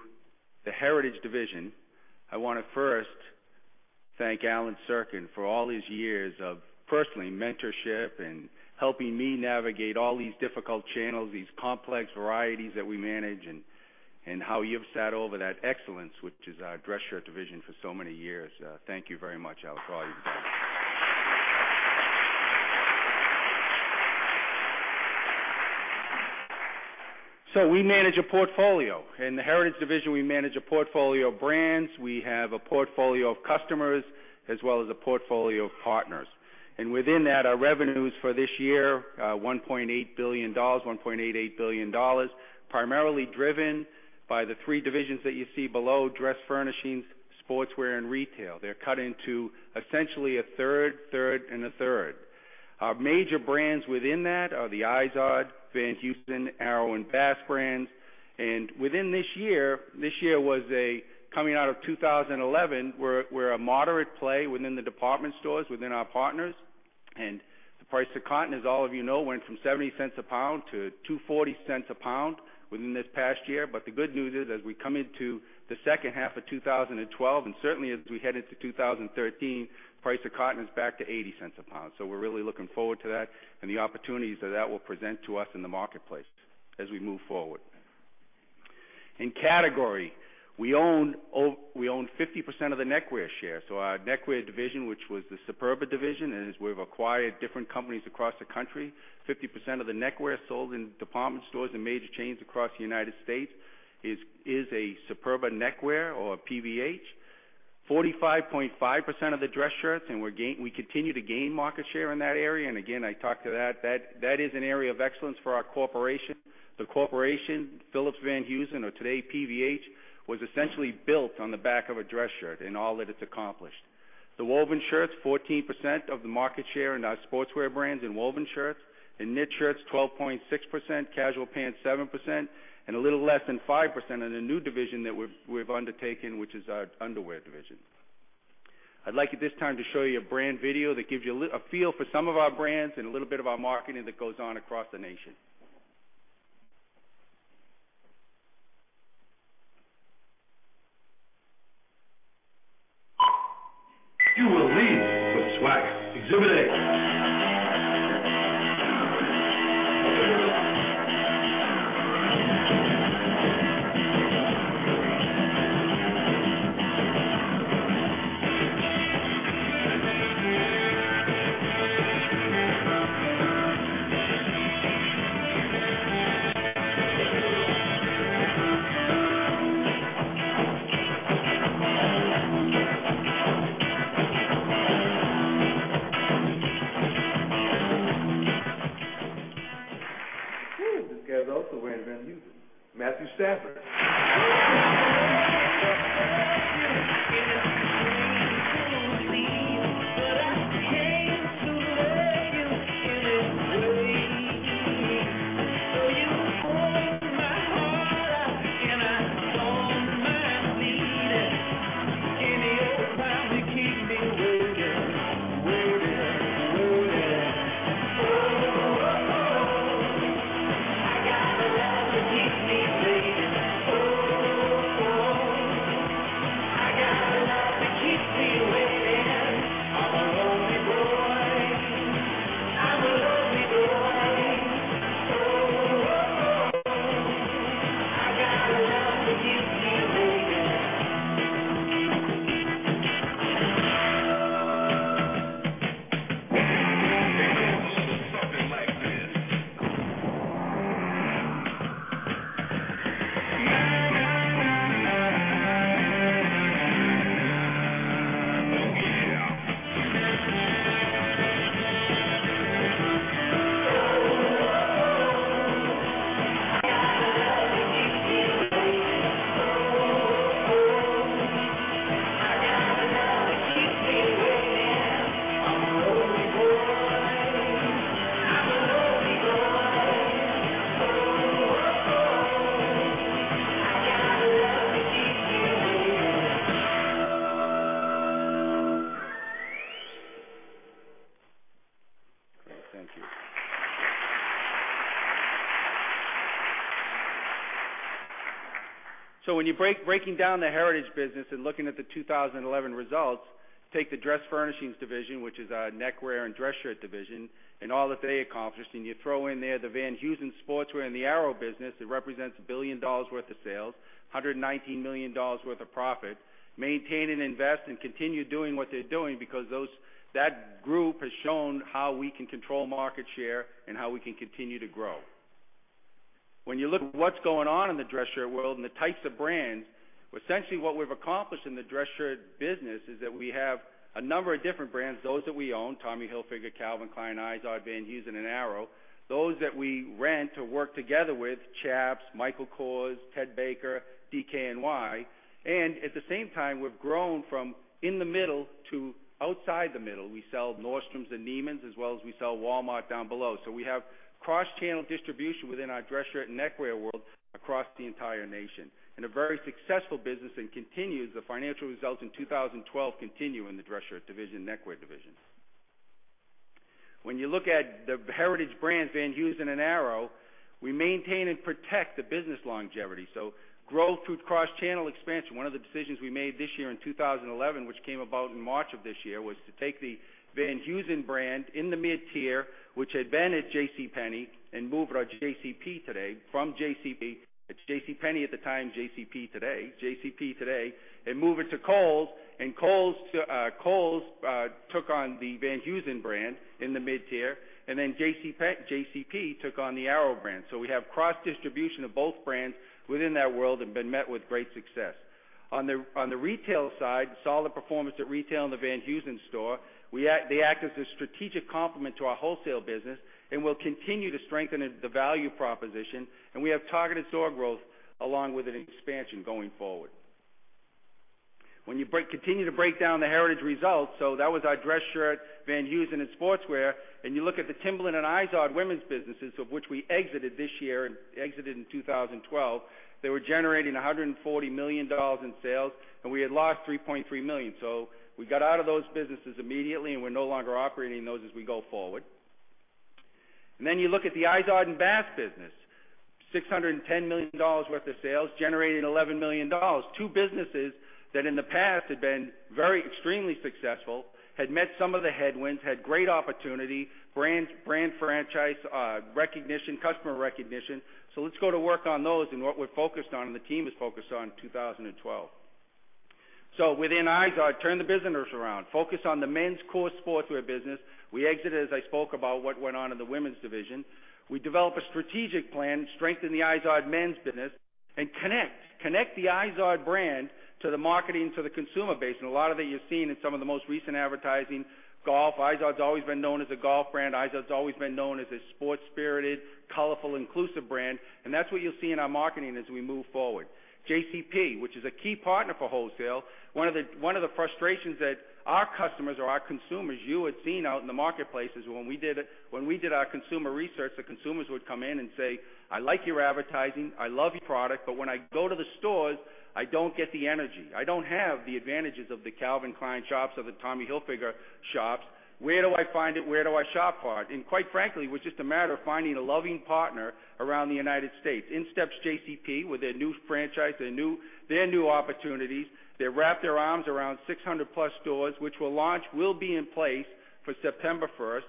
the Heritage Brands, I want to first thank Allen Sirkin for all his years of personally mentorship and helping me navigate all these difficult channels, these complex varieties that we manage, and how you've sat over that excellence, which is our dress shirt division, for so many years. Thank you very much, Allen, for all you've done. We manage a portfolio. In the Heritage Brands, we manage a portfolio of brands. We have a portfolio of customers, as well as a portfolio of partners. Within that, our revenues for this year, $1.8 billion, $1.88 billion, primarily driven by the 3 divisions that you see below, dress furnishings, sportswear, and retail. They're cut into essentially a third, and a third. Our major brands within that are the Izod, Van Heusen, Arrow, and Bass brands. Within this year, this year was a coming out of 2011, we're a moderate play within the department stores, within our partners. The price of cotton, as all of you know, went from $0.70 a pound to $2.40 a pound within this past year. The good news is, as we come into the second half of 2012, and certainly as we head into 2013, price of cotton is back to $0.80 a pound. We're really looking forward to that and the opportunities that that will present to us in the marketplace as we move forward. In category, we own 50% of the neckwear share. Our neckwear division, which was the Superba division. As we've acquired different companies across the country, 50% of the neckwear sold in department stores and major chains across the U.S. is a Superba neckwear or a PVH. 45.5% of the dress shirts, we continue to gain market share in that area. Again, I talk to that. That is an area of excellence for our corporation. The corporation, Phillips-Van Heusen, or today PVH, was essentially built on the back of a dress shirt and all that it's accomplished. The woven shirts, 14% of the market share in our sportswear brands in woven shirts. In knit shirts, 12.6%. Casual pants, 7%. A little less than 5% in a new division that we've undertaken, which is our underwear division. I'd like at this time to show you a brand video that gives you a feel for some of our brands and a little bit of our marketing that goes on across the nation. You will need for this wax. Exhibit A. This guy is also wearing Van Heusen. Matthew Stafford. Damn, I love something like this. Oh, yeah. Great. Thank you. When you're breaking down the Heritage Brands business and looking at the 2011 results, take the dress furnishings division, which is our neckwear and dress shirt division, and all that they accomplished, and you throw in there the Van Heusen sportswear and the Arrow business, it represents $1 billion worth of sales, $119 million worth of profit. Maintain and invest and continue doing what they're doing because that group has shown how we can control market share and how we can continue to grow. When you look at what's going on in the dress shirt world and the types of brands, essentially what we've accomplished in the dress shirt business is that we have a number of different brands, those that we own, Tommy Hilfiger, Calvin Klein, Izod, Van Heusen, and Arrow. Those that we rent or work together with, Chaps, Michael Kors, Ted Baker, DKNY, and at the same time, we've grown from in the middle to outside the middle. We sell Nordstrom and Neiman's as well as we sell Walmart down below. We have cross-channel distribution within our dress shirt and neckwear world across the entire nation. A very successful business and continues. The financial results in 2012 continue in the dress shirt division, neckwear division. When you look at the Heritage Brands, Van Heusen and Arrow, we maintain and protect the business longevity. Growth through cross-channel expansion. One of the decisions we made this year in 2011, which came about in March of this year, was to take the Van Heusen brand in the mid-tier, which had been at JCPenney, and move our JCP today from JCP. It's JCPenney at the time, JCP today. Move it to Kohl's, and Kohl's took on the Van Heusen brand in the mid-tier, and then JCP took on the Arrow brand. We have cross-distribution of both brands within that world and been met with great success. On the retail side, solid performance at retail in the Van Heusen store. They act as a strategic complement to our wholesale business and will continue to strengthen the value proposition, and we have targeted store growth along with an expansion going forward. When you continue to break down the Heritage results, that was our dress shirt, Van Heusen, and sportswear. You look at the Timberland and Izod women's businesses of which we exited this year and exited in 2012. They were generating $140 million in sales, and we had lost $3.3 million. We got out of those businesses immediately, and we're no longer operating those as we go forward. You look at the Izod and Bass business. $610 million worth of sales, generating $11 million. Two businesses that in the past had been very extremely successful, had met some of the headwinds, had great opportunity, brand franchise recognition, customer recognition. Let's go to work on those and what we're focused on and the team is focused on in 2012. Within Izod, turn the business around. Focus on the men's core sportswear business. We exited, as I spoke about what went on in the women's division. We developed a strategic plan to strengthen the Izod men's business and connect the Izod brand to the marketing, to the consumer base. A lot of that you've seen in some of the most recent advertising. Golf. Izod's always been known as a golf brand. Izod's always been known as a sports-spirited, colorful, inclusive brand, that's what you'll see in our marketing as we move forward. JCP, which is a key partner for wholesale. One of the frustrations that our customers or our consumers, you had seen out in the marketplace is when we did our consumer research, the consumers would come in and say, "I like your advertising. I love your product. But when I go to the stores, I don't get the energy. I don't have the advantages of the Calvin Klein shops or the Tommy Hilfiger shops. Where do I find it? Where do I shop for it?" Quite frankly, it was just a matter of finding a loving partner around the United States. In steps JCP with their new franchise, their new opportunities. They wrap their arms around 600-plus stores, which will launch, will be in place for September 1st.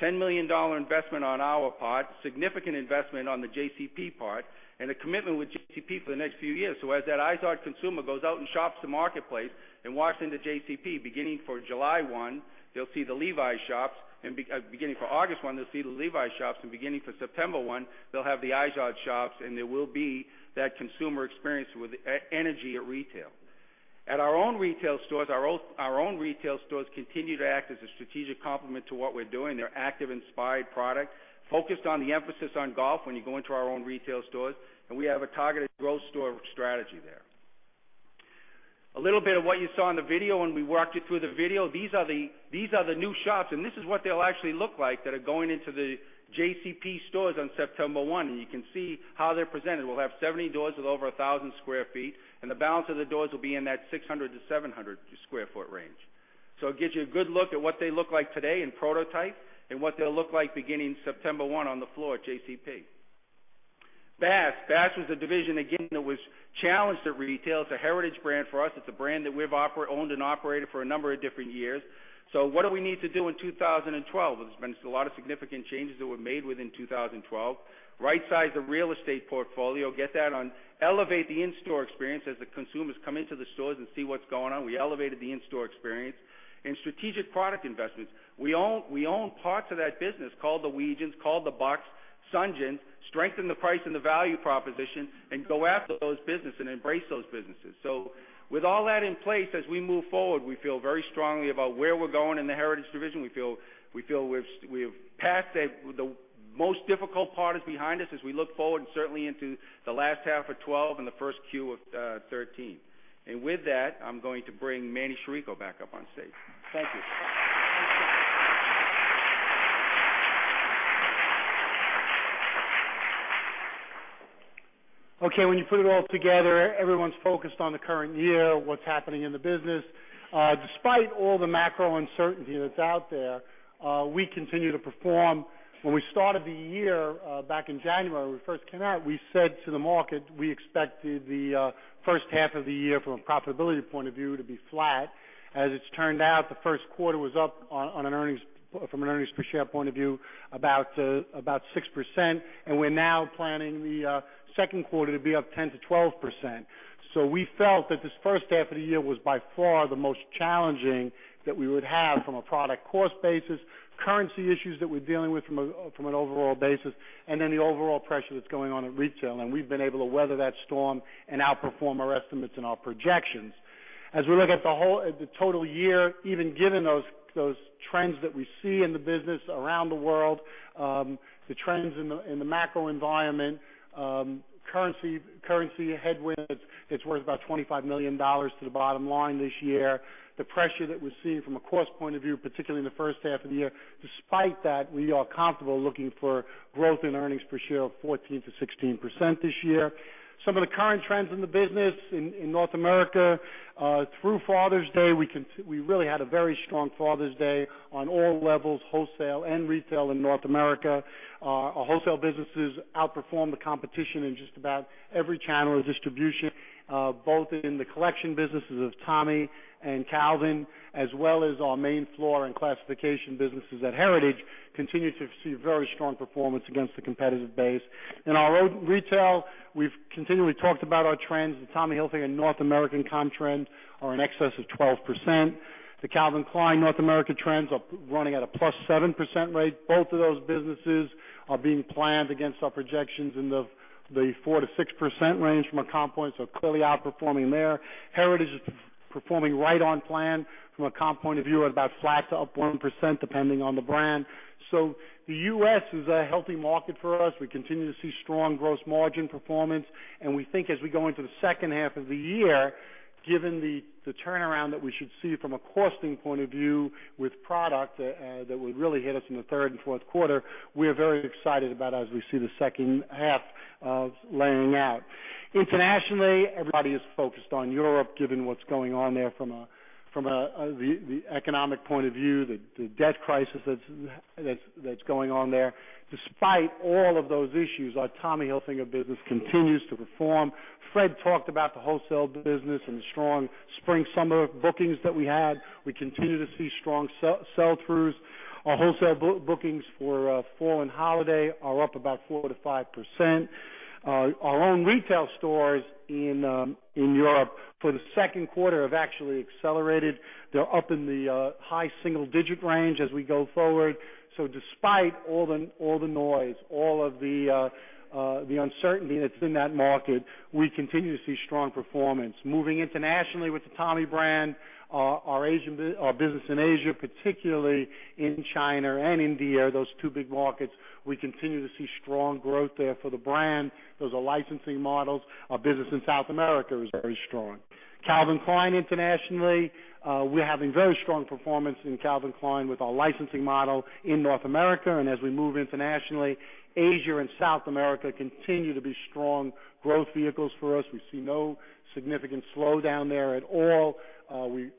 A $10 million investment on our part, significant investment on the JCP part, and a commitment with JCP for the next few years. As that Izod consumer goes out and shops the marketplace and walks into JCP beginning for July 1, they'll see the Levi's shops. Beginning for August 1, they'll see the Levi's shops. And beginning for September 1, they'll have the Izod shops, and there will be that consumer experience with energy at retail. At our own retail stores, our own retail stores continue to act as a strategic complement to what we're doing. They're active, inspired product, focused on the emphasis on golf when you go into our own retail stores, and we have a targeted growth store strategy there. A little bit of what you saw in the video when we walked you through the video. These are the new shops, and this is what they'll actually look like that are going into the JCP stores on September 1, and you can see how they're presented. We'll have 70 doors with over 1,000 sq ft, and the balance of the doors will be in that 600 to 700 sq ft range. So it gives you a good look at what they look like today in prototype and what they'll look like beginning September 1 on the floor at JCP. Bass was a division, again, that was challenged at retail. It's a heritage brand for us. It's a brand that we've owned and operated for a number of different years. What do we need to do in 2012? There's been a lot of significant changes that were made within 2012. Right-size the real estate portfolio. Elevate the in-store experience as the consumers come into the stores and see what's going on. We elevated the in-store experience. And strategic product investments. We own parts of that business, called the Weejuns, called the Bass, Sunjuns. Strengthen the price and the value proposition and go after those business and embrace those businesses. With all that in place, as we move forward, we feel very strongly about where we're going in the Heritage Division. We feel we've passed that. The most difficult part is behind us as we look forward and certainly into the last half of 2012 and the first quarter of 2013. With that, I'm going to bring Manny Chirico back up on stage. Thank you. Okay, when you put it all together, everyone's focused on the current year, what's happening in the business. Despite all the macro uncertainty that's out there, we continue to perform. When we started the year back in January, when we first came out, we said to the market, we expected the first half of the year from a profitability point of view to be flat. As it's turned out, the first quarter was up from an earnings per share point of view, about 6%, and we're now planning the second quarter to be up 10%-12%. We felt that this first half of the year was by far the most challenging that we would have from a product cost basis, currency issues that we're dealing with from an overall basis, and the overall pressure that's going on in retail, and we've been able to weather that storm and outperform our estimates and our projections. As we look at the total year, even given those trends that we see in the business around the world, the trends in the macro environment, currency headwind, it's worth about $25 million to the bottom line this year. The pressure that we're seeing from a cost point of view, particularly in the first half of the year, despite that, we are comfortable looking for growth in earnings per share of 14%-16% this year. Some of the current trends in the business in North America. Through Father's Day, we really had a very strong Father's Day on all levels, wholesale and retail in North America. Our wholesale businesses outperformed the competition in just about every channel of distribution, both in the collection businesses of Tommy and Calvin, as well as our main floor and classification businesses at Heritage, continue to see very strong performance against the competitive base. In our own retail, we've continually talked about our trends. The Tommy Hilfiger North American comp trends are in excess of 12%. The Calvin Klein North America trends are running at a +7% rate. Both of those businesses are being planned against our projections in the 4%-6% range from a comp point, so clearly outperforming there. Heritage is performing right on plan from a comp point of view at about flat to up 1%, depending on the brand. The U.S. is a healthy market for us. We continue to see strong gross margin performance, and we think as we go into the second half of the year, given the turnaround that we should see from a costing point of view with product that would really hit us in the third and fourth quarter, we're very excited about as we see the second half of laying out. Internationally, everybody is focused on Europe, given what's going on there from the economic point of view, the debt crisis that's going on there. Despite all of those issues, our Tommy Hilfiger business continues to perform. Fred talked about the wholesale business and the strong spring/summer bookings that we had. We continue to see strong sell-throughs. Our wholesale bookings for fall and holiday are up about 4%-5%. Our own retail stores in Europe for the second quarter have actually accelerated. They're up in the high single-digit range as we go forward. Despite all the noise, all of the uncertainty that's in that market, we continue to see strong performance. Moving internationally with the Tommy brand, our business in Asia, particularly in China and India, those two big markets, we continue to see strong growth there for the brand. Those are licensing models. Our business in South America is very strong. Calvin Klein internationally, we're having very strong performance in Calvin Klein with our licensing model in North America. As we move internationally, Asia and South America continue to be strong growth vehicles for us. We see no significant slowdown there at all.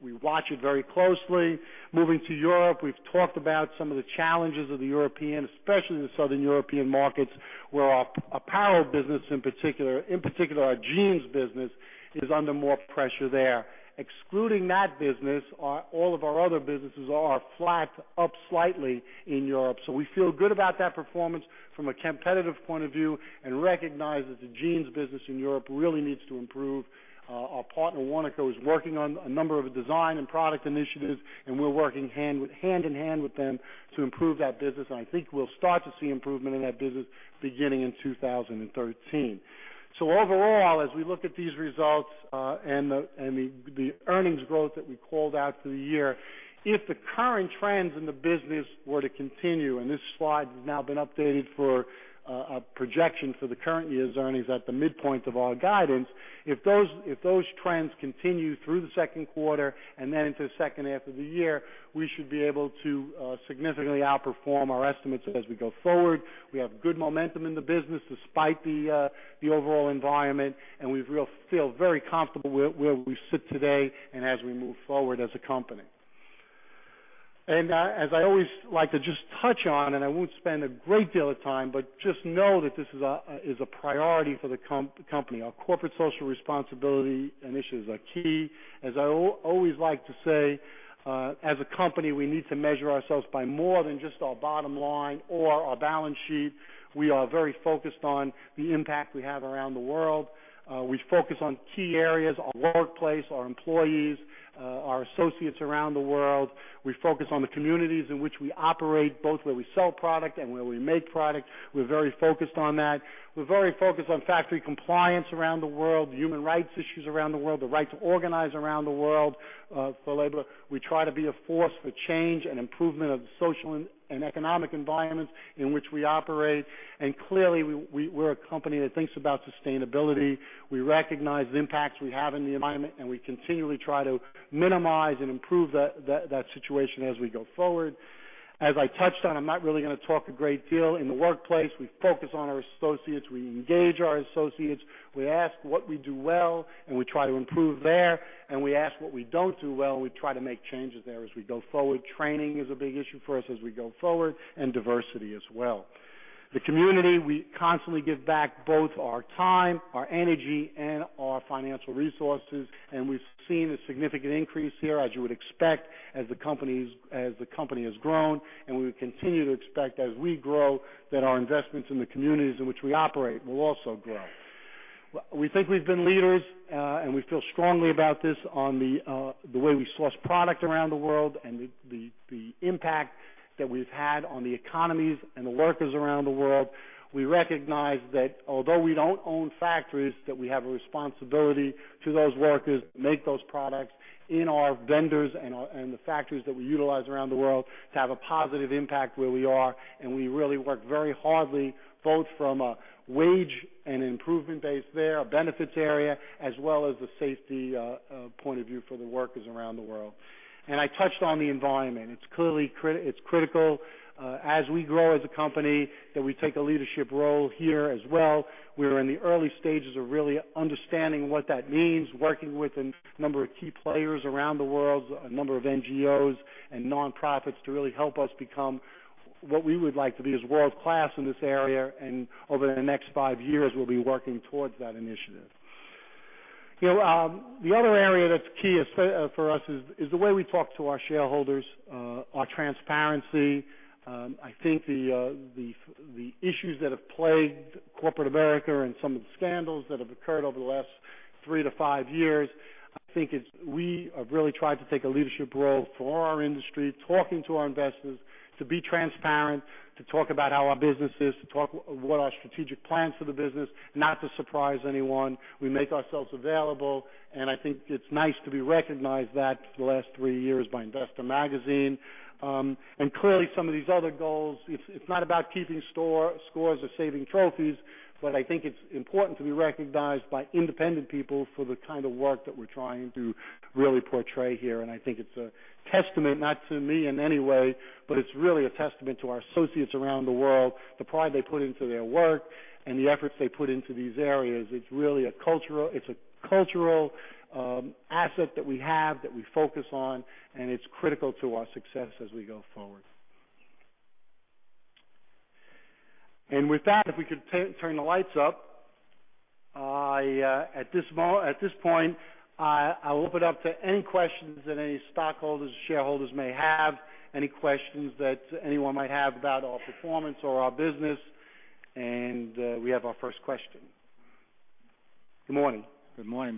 We watch it very closely. Moving to Europe, we've talked about some of the challenges of the European, especially in the Southern European markets, where our apparel business in particular, our jeans business, is under more pressure there. Excluding that business, all of our other businesses are flat, up slightly in Europe. We feel good about that performance from a competitive point of view and recognize that the jeans business in Europe really needs to improve. Our partner, Warnaco, is working on a number of design and product initiatives, and we're working hand in hand with them to improve that business, and I think we'll start to see improvement in that business beginning in 2013. Overall, as we look at these results and the earnings growth that we called out for the year, if the current trends in the business were to continue, this slide has now been updated for a projection for the current year's earnings at the midpoint of our guidance. If those trends continue through the second quarter and then into the second half of the year, we should be able to significantly outperform our estimates as we go forward. We have good momentum in the business despite the overall environment, we feel very comfortable where we sit today and as we move forward as a company. As I always like to just touch on, and I won't spend a great deal of time, but just know that this is a priority for the company. Our corporate social responsibility initiatives are key. As I always like to say, as a company, we need to measure ourselves by more than just our bottom line or our balance sheet. We are very focused on the impact we have around the world. We focus on key areas, our workplace, our employees, our associates around the world. We focus on the communities in which we operate, both where we sell product and where we make product. We're very focused on that. We're very focused on factory compliance around the world, human rights issues around the world, the right to organize around the world for labor. We try to be a force for change and improvement of the social and economic environments in which we operate. Clearly, we're a company that thinks about sustainability. We recognize the impacts we have in the environment, we continually try to minimize and improve that situation as we go forward. As I touched on, I'm not really going to talk a great deal. In the workplace, we focus on our associates. We engage our associates. We ask what we do well, we try to improve there. We ask what we don't do well, and we try to make changes there as we go forward. Training is a big issue for us as we go forward, and diversity as well. The community, we constantly give back both our time, our energy, and our financial resources. We've seen a significant increase here, as you would expect, as the company has grown. We continue to expect as we grow, that our investments in the communities in which we operate will also grow. We think we've been leaders, we feel strongly about this, on the way we source product around the world and the impact that we've had on the economies and the workers around the world. We recognize that although we don't own factories, that we have a responsibility to those workers that make those products in our vendors and the factories that we utilize around the world to have a positive impact where we are. We really work very hard, both from a wage and improvement base there, a benefits area, as well as the safety point of view for the workers around the world. I touched on the environment. It's critical as we grow as a company, that we take a leadership role here as well. We are in the early stages of really understanding what that means, working with a number of key players around the world, a number of NGOs and nonprofits to really help us become what we would like to be as world-class in this area. Over the next five years, we'll be working towards that initiative. The other area that's key for us is the way we talk to our shareholders, our transparency. I think the issues that have plagued corporate America and some of the scandals that have occurred over the last three to five years, I think we have really tried to take a leadership role for our industry, talking to our investors, to be transparent, to talk about how our business is, to talk what our strategic plans for the business, not to surprise anyone. We make ourselves available, and I think it's nice to be recognized that for the last three years by IR Magazine. Clearly some of these other goals, it's not about keeping scores or saving trophies, but I think it's important to be recognized by independent people for the kind of work that we're trying to really portray here. I think it's a testament, not to me in any way, but it's really a testament to our associates around the world, the pride they put into their work and the efforts they put into these areas. It's a cultural asset that we have, that we focus on, and it's critical to our success as we go forward. With that, if we could turn the lights up. At this point, I'll open up to any questions that any stockholders, shareholders may have, any questions that anyone might have about our performance or our business. We have our first question. Good morning. Good morning,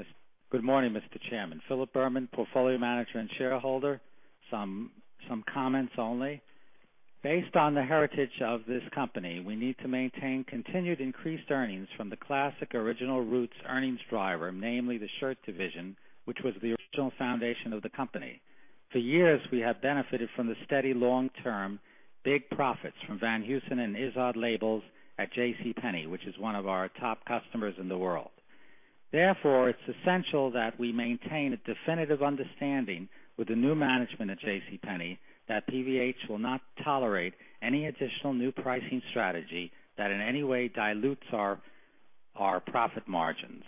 Mr. Chairman. Philip Berman, portfolio manager and shareholder. Some comments only. Based on the heritage of this company, we need to maintain continued increased earnings from the classic original roots earnings driver, namely the shirt division, which was the original foundation of the company. For years, we have benefited from the steady long-term big profits from Van Heusen and Izod labels at JCPenney, which is one of our top customers in the world. It's essential that we maintain a definitive understanding with the new management at JCPenney that PVH will not tolerate any additional new pricing strategy that in any way dilutes our profit margins.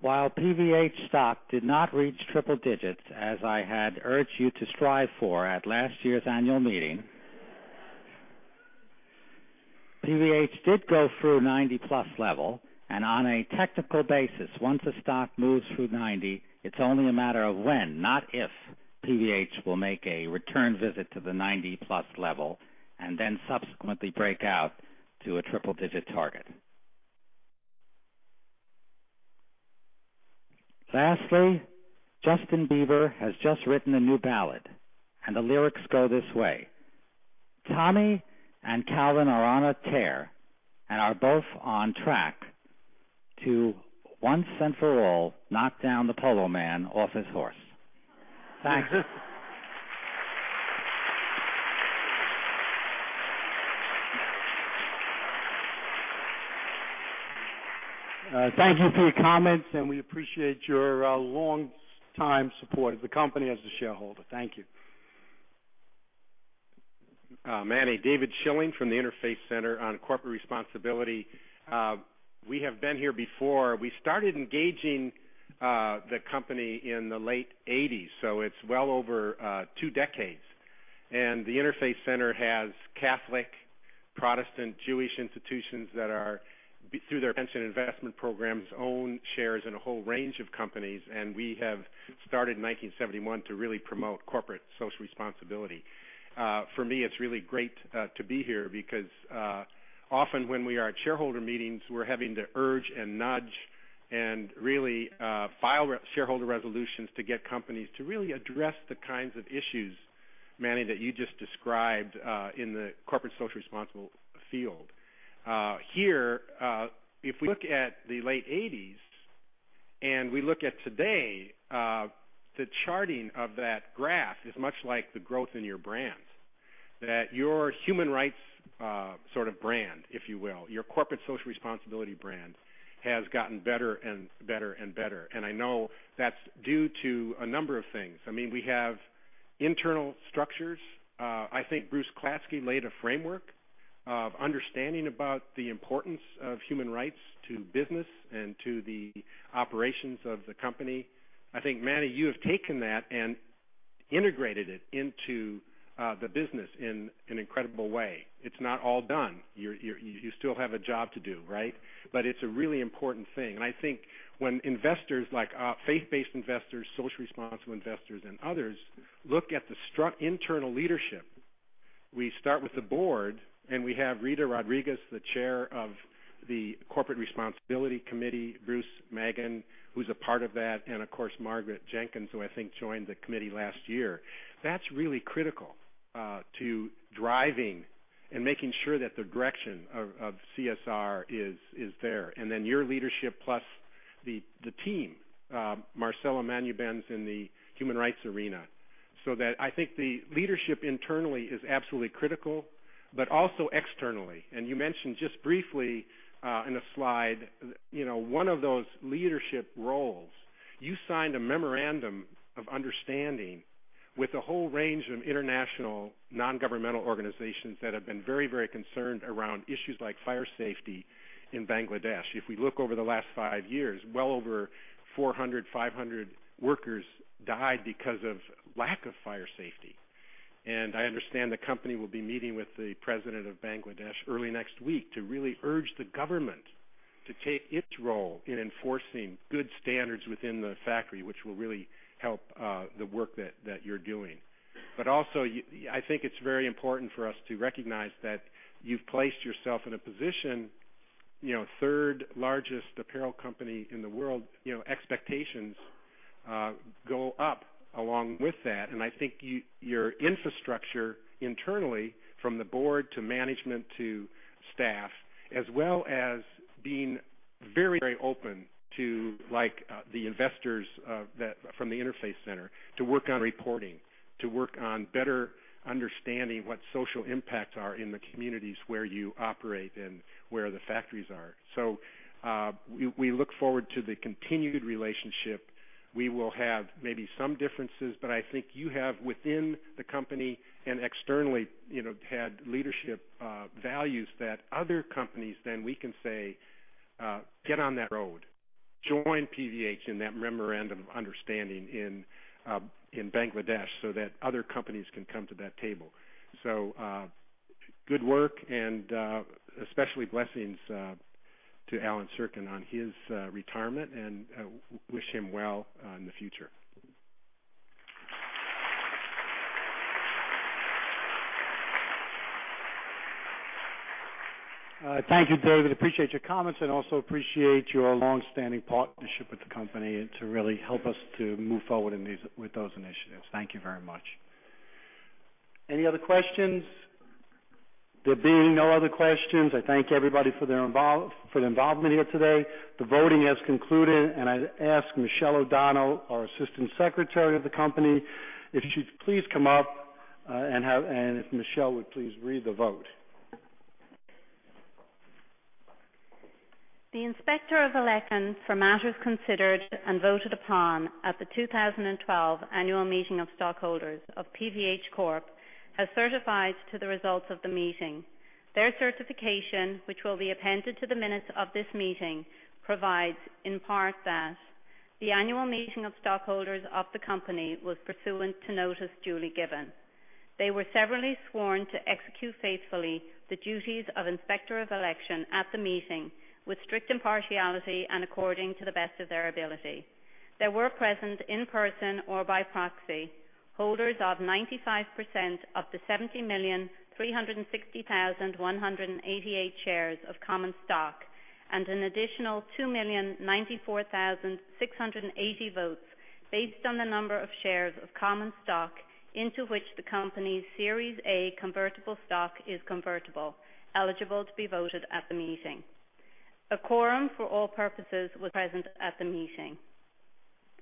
While PVH stock did not reach triple digits, as I had urged you to strive for at last year's annual meeting, PVH did go through 90-plus level, on a technical basis, once a stock moves through 90, it's only a matter of when, not if, PVH will make a return visit to the 90-plus level and then subsequently break out to a triple-digit target. Justin Bieber has just written a new ballad, and the lyrics go this way: "Tommy and Calvin are on a tear and are both on track to once and for all, knock down the Polo man off his horse." Thanks. Thank you for your comments, we appreciate your long-time support of the company as a shareholder. Thank you. Manny, David Schilling from the Interfaith Center on Corporate Responsibility. We have been here before. We started engaging the company in the late '80s, so it's well over two decades. The Interfaith Center has Catholic- Protestant Jewish institutions that are, through their pension investment programs, own shares in a whole range of companies. We have started in 1971 to really promote corporate social responsibility. For me, it's really great to be here because often when we are at shareholder meetings, we're having to urge and nudge and really file shareholder resolutions to get companies to really address the kinds of issues, Manny, that you just described in the corporate social responsible field. Here, if we look at the late '80s and we look at today, the charting of that graph is much like the growth in your brands. Your human rights sort of brand, if you will, your corporate social responsibility brand, has gotten better and better and better. I know that's due to a number of things. We have internal structures. I think Bruce Klatsky laid a framework of understanding about the importance of human rights to business and to the operations of the company. I think, Manny, you have taken that and integrated it into the business in an incredible way. It's not all done. You still have a job to do, right? It's a really important thing. I think when investors like faith-based investors, social responsible investors, and others look at the internal leadership, we start with the board, and we have Rita Rodriguez, the chair of the corporate responsibility committee, Bruce Magan, who's a part of that, and of course, Margaret Jenkins, who I think joined the committee last year. That's really critical to driving and making sure that the direction of CSR is there. Your leadership plus the team, Marcela Manubens in the human rights arena. I think the leadership internally is absolutely critical, but also externally. You mentioned just briefly in a slide, one of those leadership roles. You signed a memorandum of understanding with a whole range of international non-governmental organizations that have been very concerned around issues like fire safety in Bangladesh. If we look over the last five years, well over 400, 500 workers died because of lack of fire safety. I understand the company will be meeting with the president of Bangladesh early next week to really urge the government to take its role in enforcing good standards within the factory, which will really help the work that you're doing. Also, I think it's very important for us to recognize that you've placed yourself in a position, third largest apparel company in the world. Expectations go up along with that. I think your infrastructure internally from the board to management to staff, as well as being very open to the investors from the Interfaith Center on Corporate Responsibility to work on reporting, to work on better understanding what social impacts are in the communities where you operate and where the factories are. We look forward to the continued relationship. We will have maybe some differences, I think you have, within the company and externally, had leadership values that other companies, we can say, "Get on that road. Join PVH in that memorandum of understanding in Bangladesh that other companies can come to that table." Good work and especially blessings to Allen Sirkin on his retirement, wish him well in the future. Thank you, David. Appreciate your comments and also appreciate your longstanding partnership with the company to really help us to move forward with those initiatives. Thank you very much. Any other questions? There being no other questions, I thank everybody for their involvement here today. The voting has concluded, and I ask Michelle O'Donnell, our Assistant Secretary of the company, if she'd please come up and if Michelle would please read the vote. The Inspector of Election for matters considered and voted upon at the 2012 annual meeting of stockholders of PVH Corp. has certified to the results of the meeting. Their certification, which will be appended to the minutes of this meeting, provides in part that the annual meeting of stockholders of the company was pursuant to notice duly given. They were severally sworn to execute faithfully the duties of Inspector of Election at the meeting with strict impartiality and according to the best of their ability. There were present in person or by proxy, holders of 95% of the 70,360,188 shares of common stock and an additional 2,094,680 votes based on the number of shares of common stock into which the company's Series A convertible stock is convertible, eligible to be voted at the meeting. A quorum for all purposes was present at the meeting.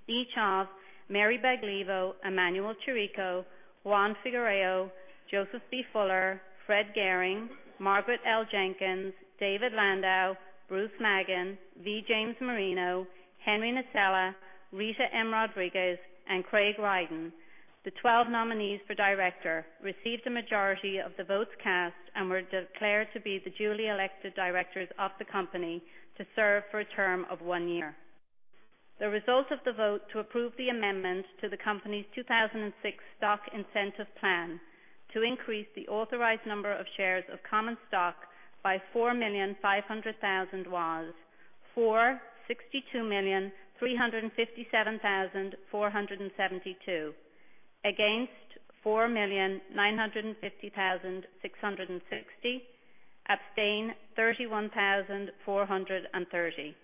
Each of Mary Baglivo, Emanuel Chirico, Juan Figueroa, Joseph L. Fuller, Fred Gehring, Margaret L. Jenkins, David Landau, Bruce Magan, V. James Marino, Henry Nasella, Rita M. Rodriguez, and Craig Rydin, the 12 nominees for director, received a majority of the votes cast and were declared to be the duly elected directors of the company to serve for a term of one year. The result of the vote to approve the amendment to the company's 2006 Stock Incentive Plan to increase the authorized number of shares of common stock by 4,500,000 was for 62,357,472, against 4,950,660, abstain 31,430.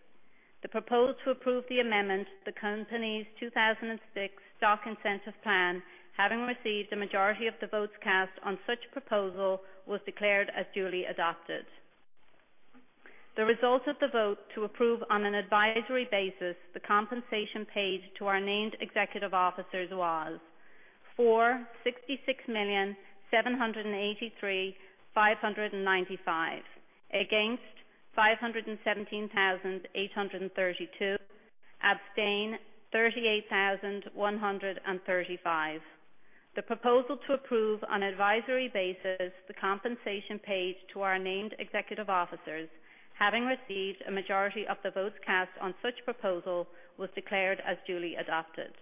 The proposal to approve the amendment to the company's 2006 Stock Incentive Plan, having received a majority of the votes cast on such proposal, was declared as duly adopted. The result of the vote to approve on an advisory basis the compensation paid to our named executive officers was for 66,783,595, against 517,832, abstain 38,135. The proposal to approve on advisory basis the compensation paid to our named executive officers, having received a majority of the votes cast on such proposal, was declared as duly adopted.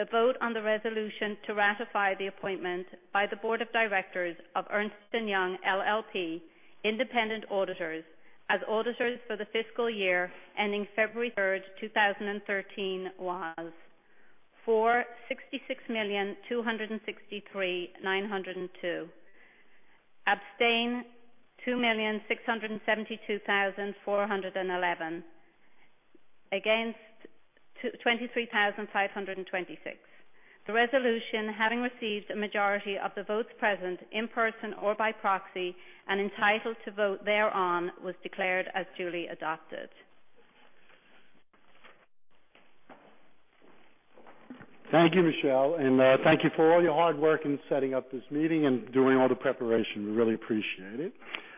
The vote on the resolution to ratify the appointment by the board of directors of Ernst & Young LLP independent auditors as auditors for the fiscal year ending February 3rd, 2013, was for 66,263,902, abstain 2,672,411, against 23,526. The resolution, having received a majority of the votes present in person or by proxy and entitled to vote thereon, was declared as duly adopted. Thank you, Michelle, and thank you for all your hard work in setting up this meeting and doing all the preparation. We really appreciate it.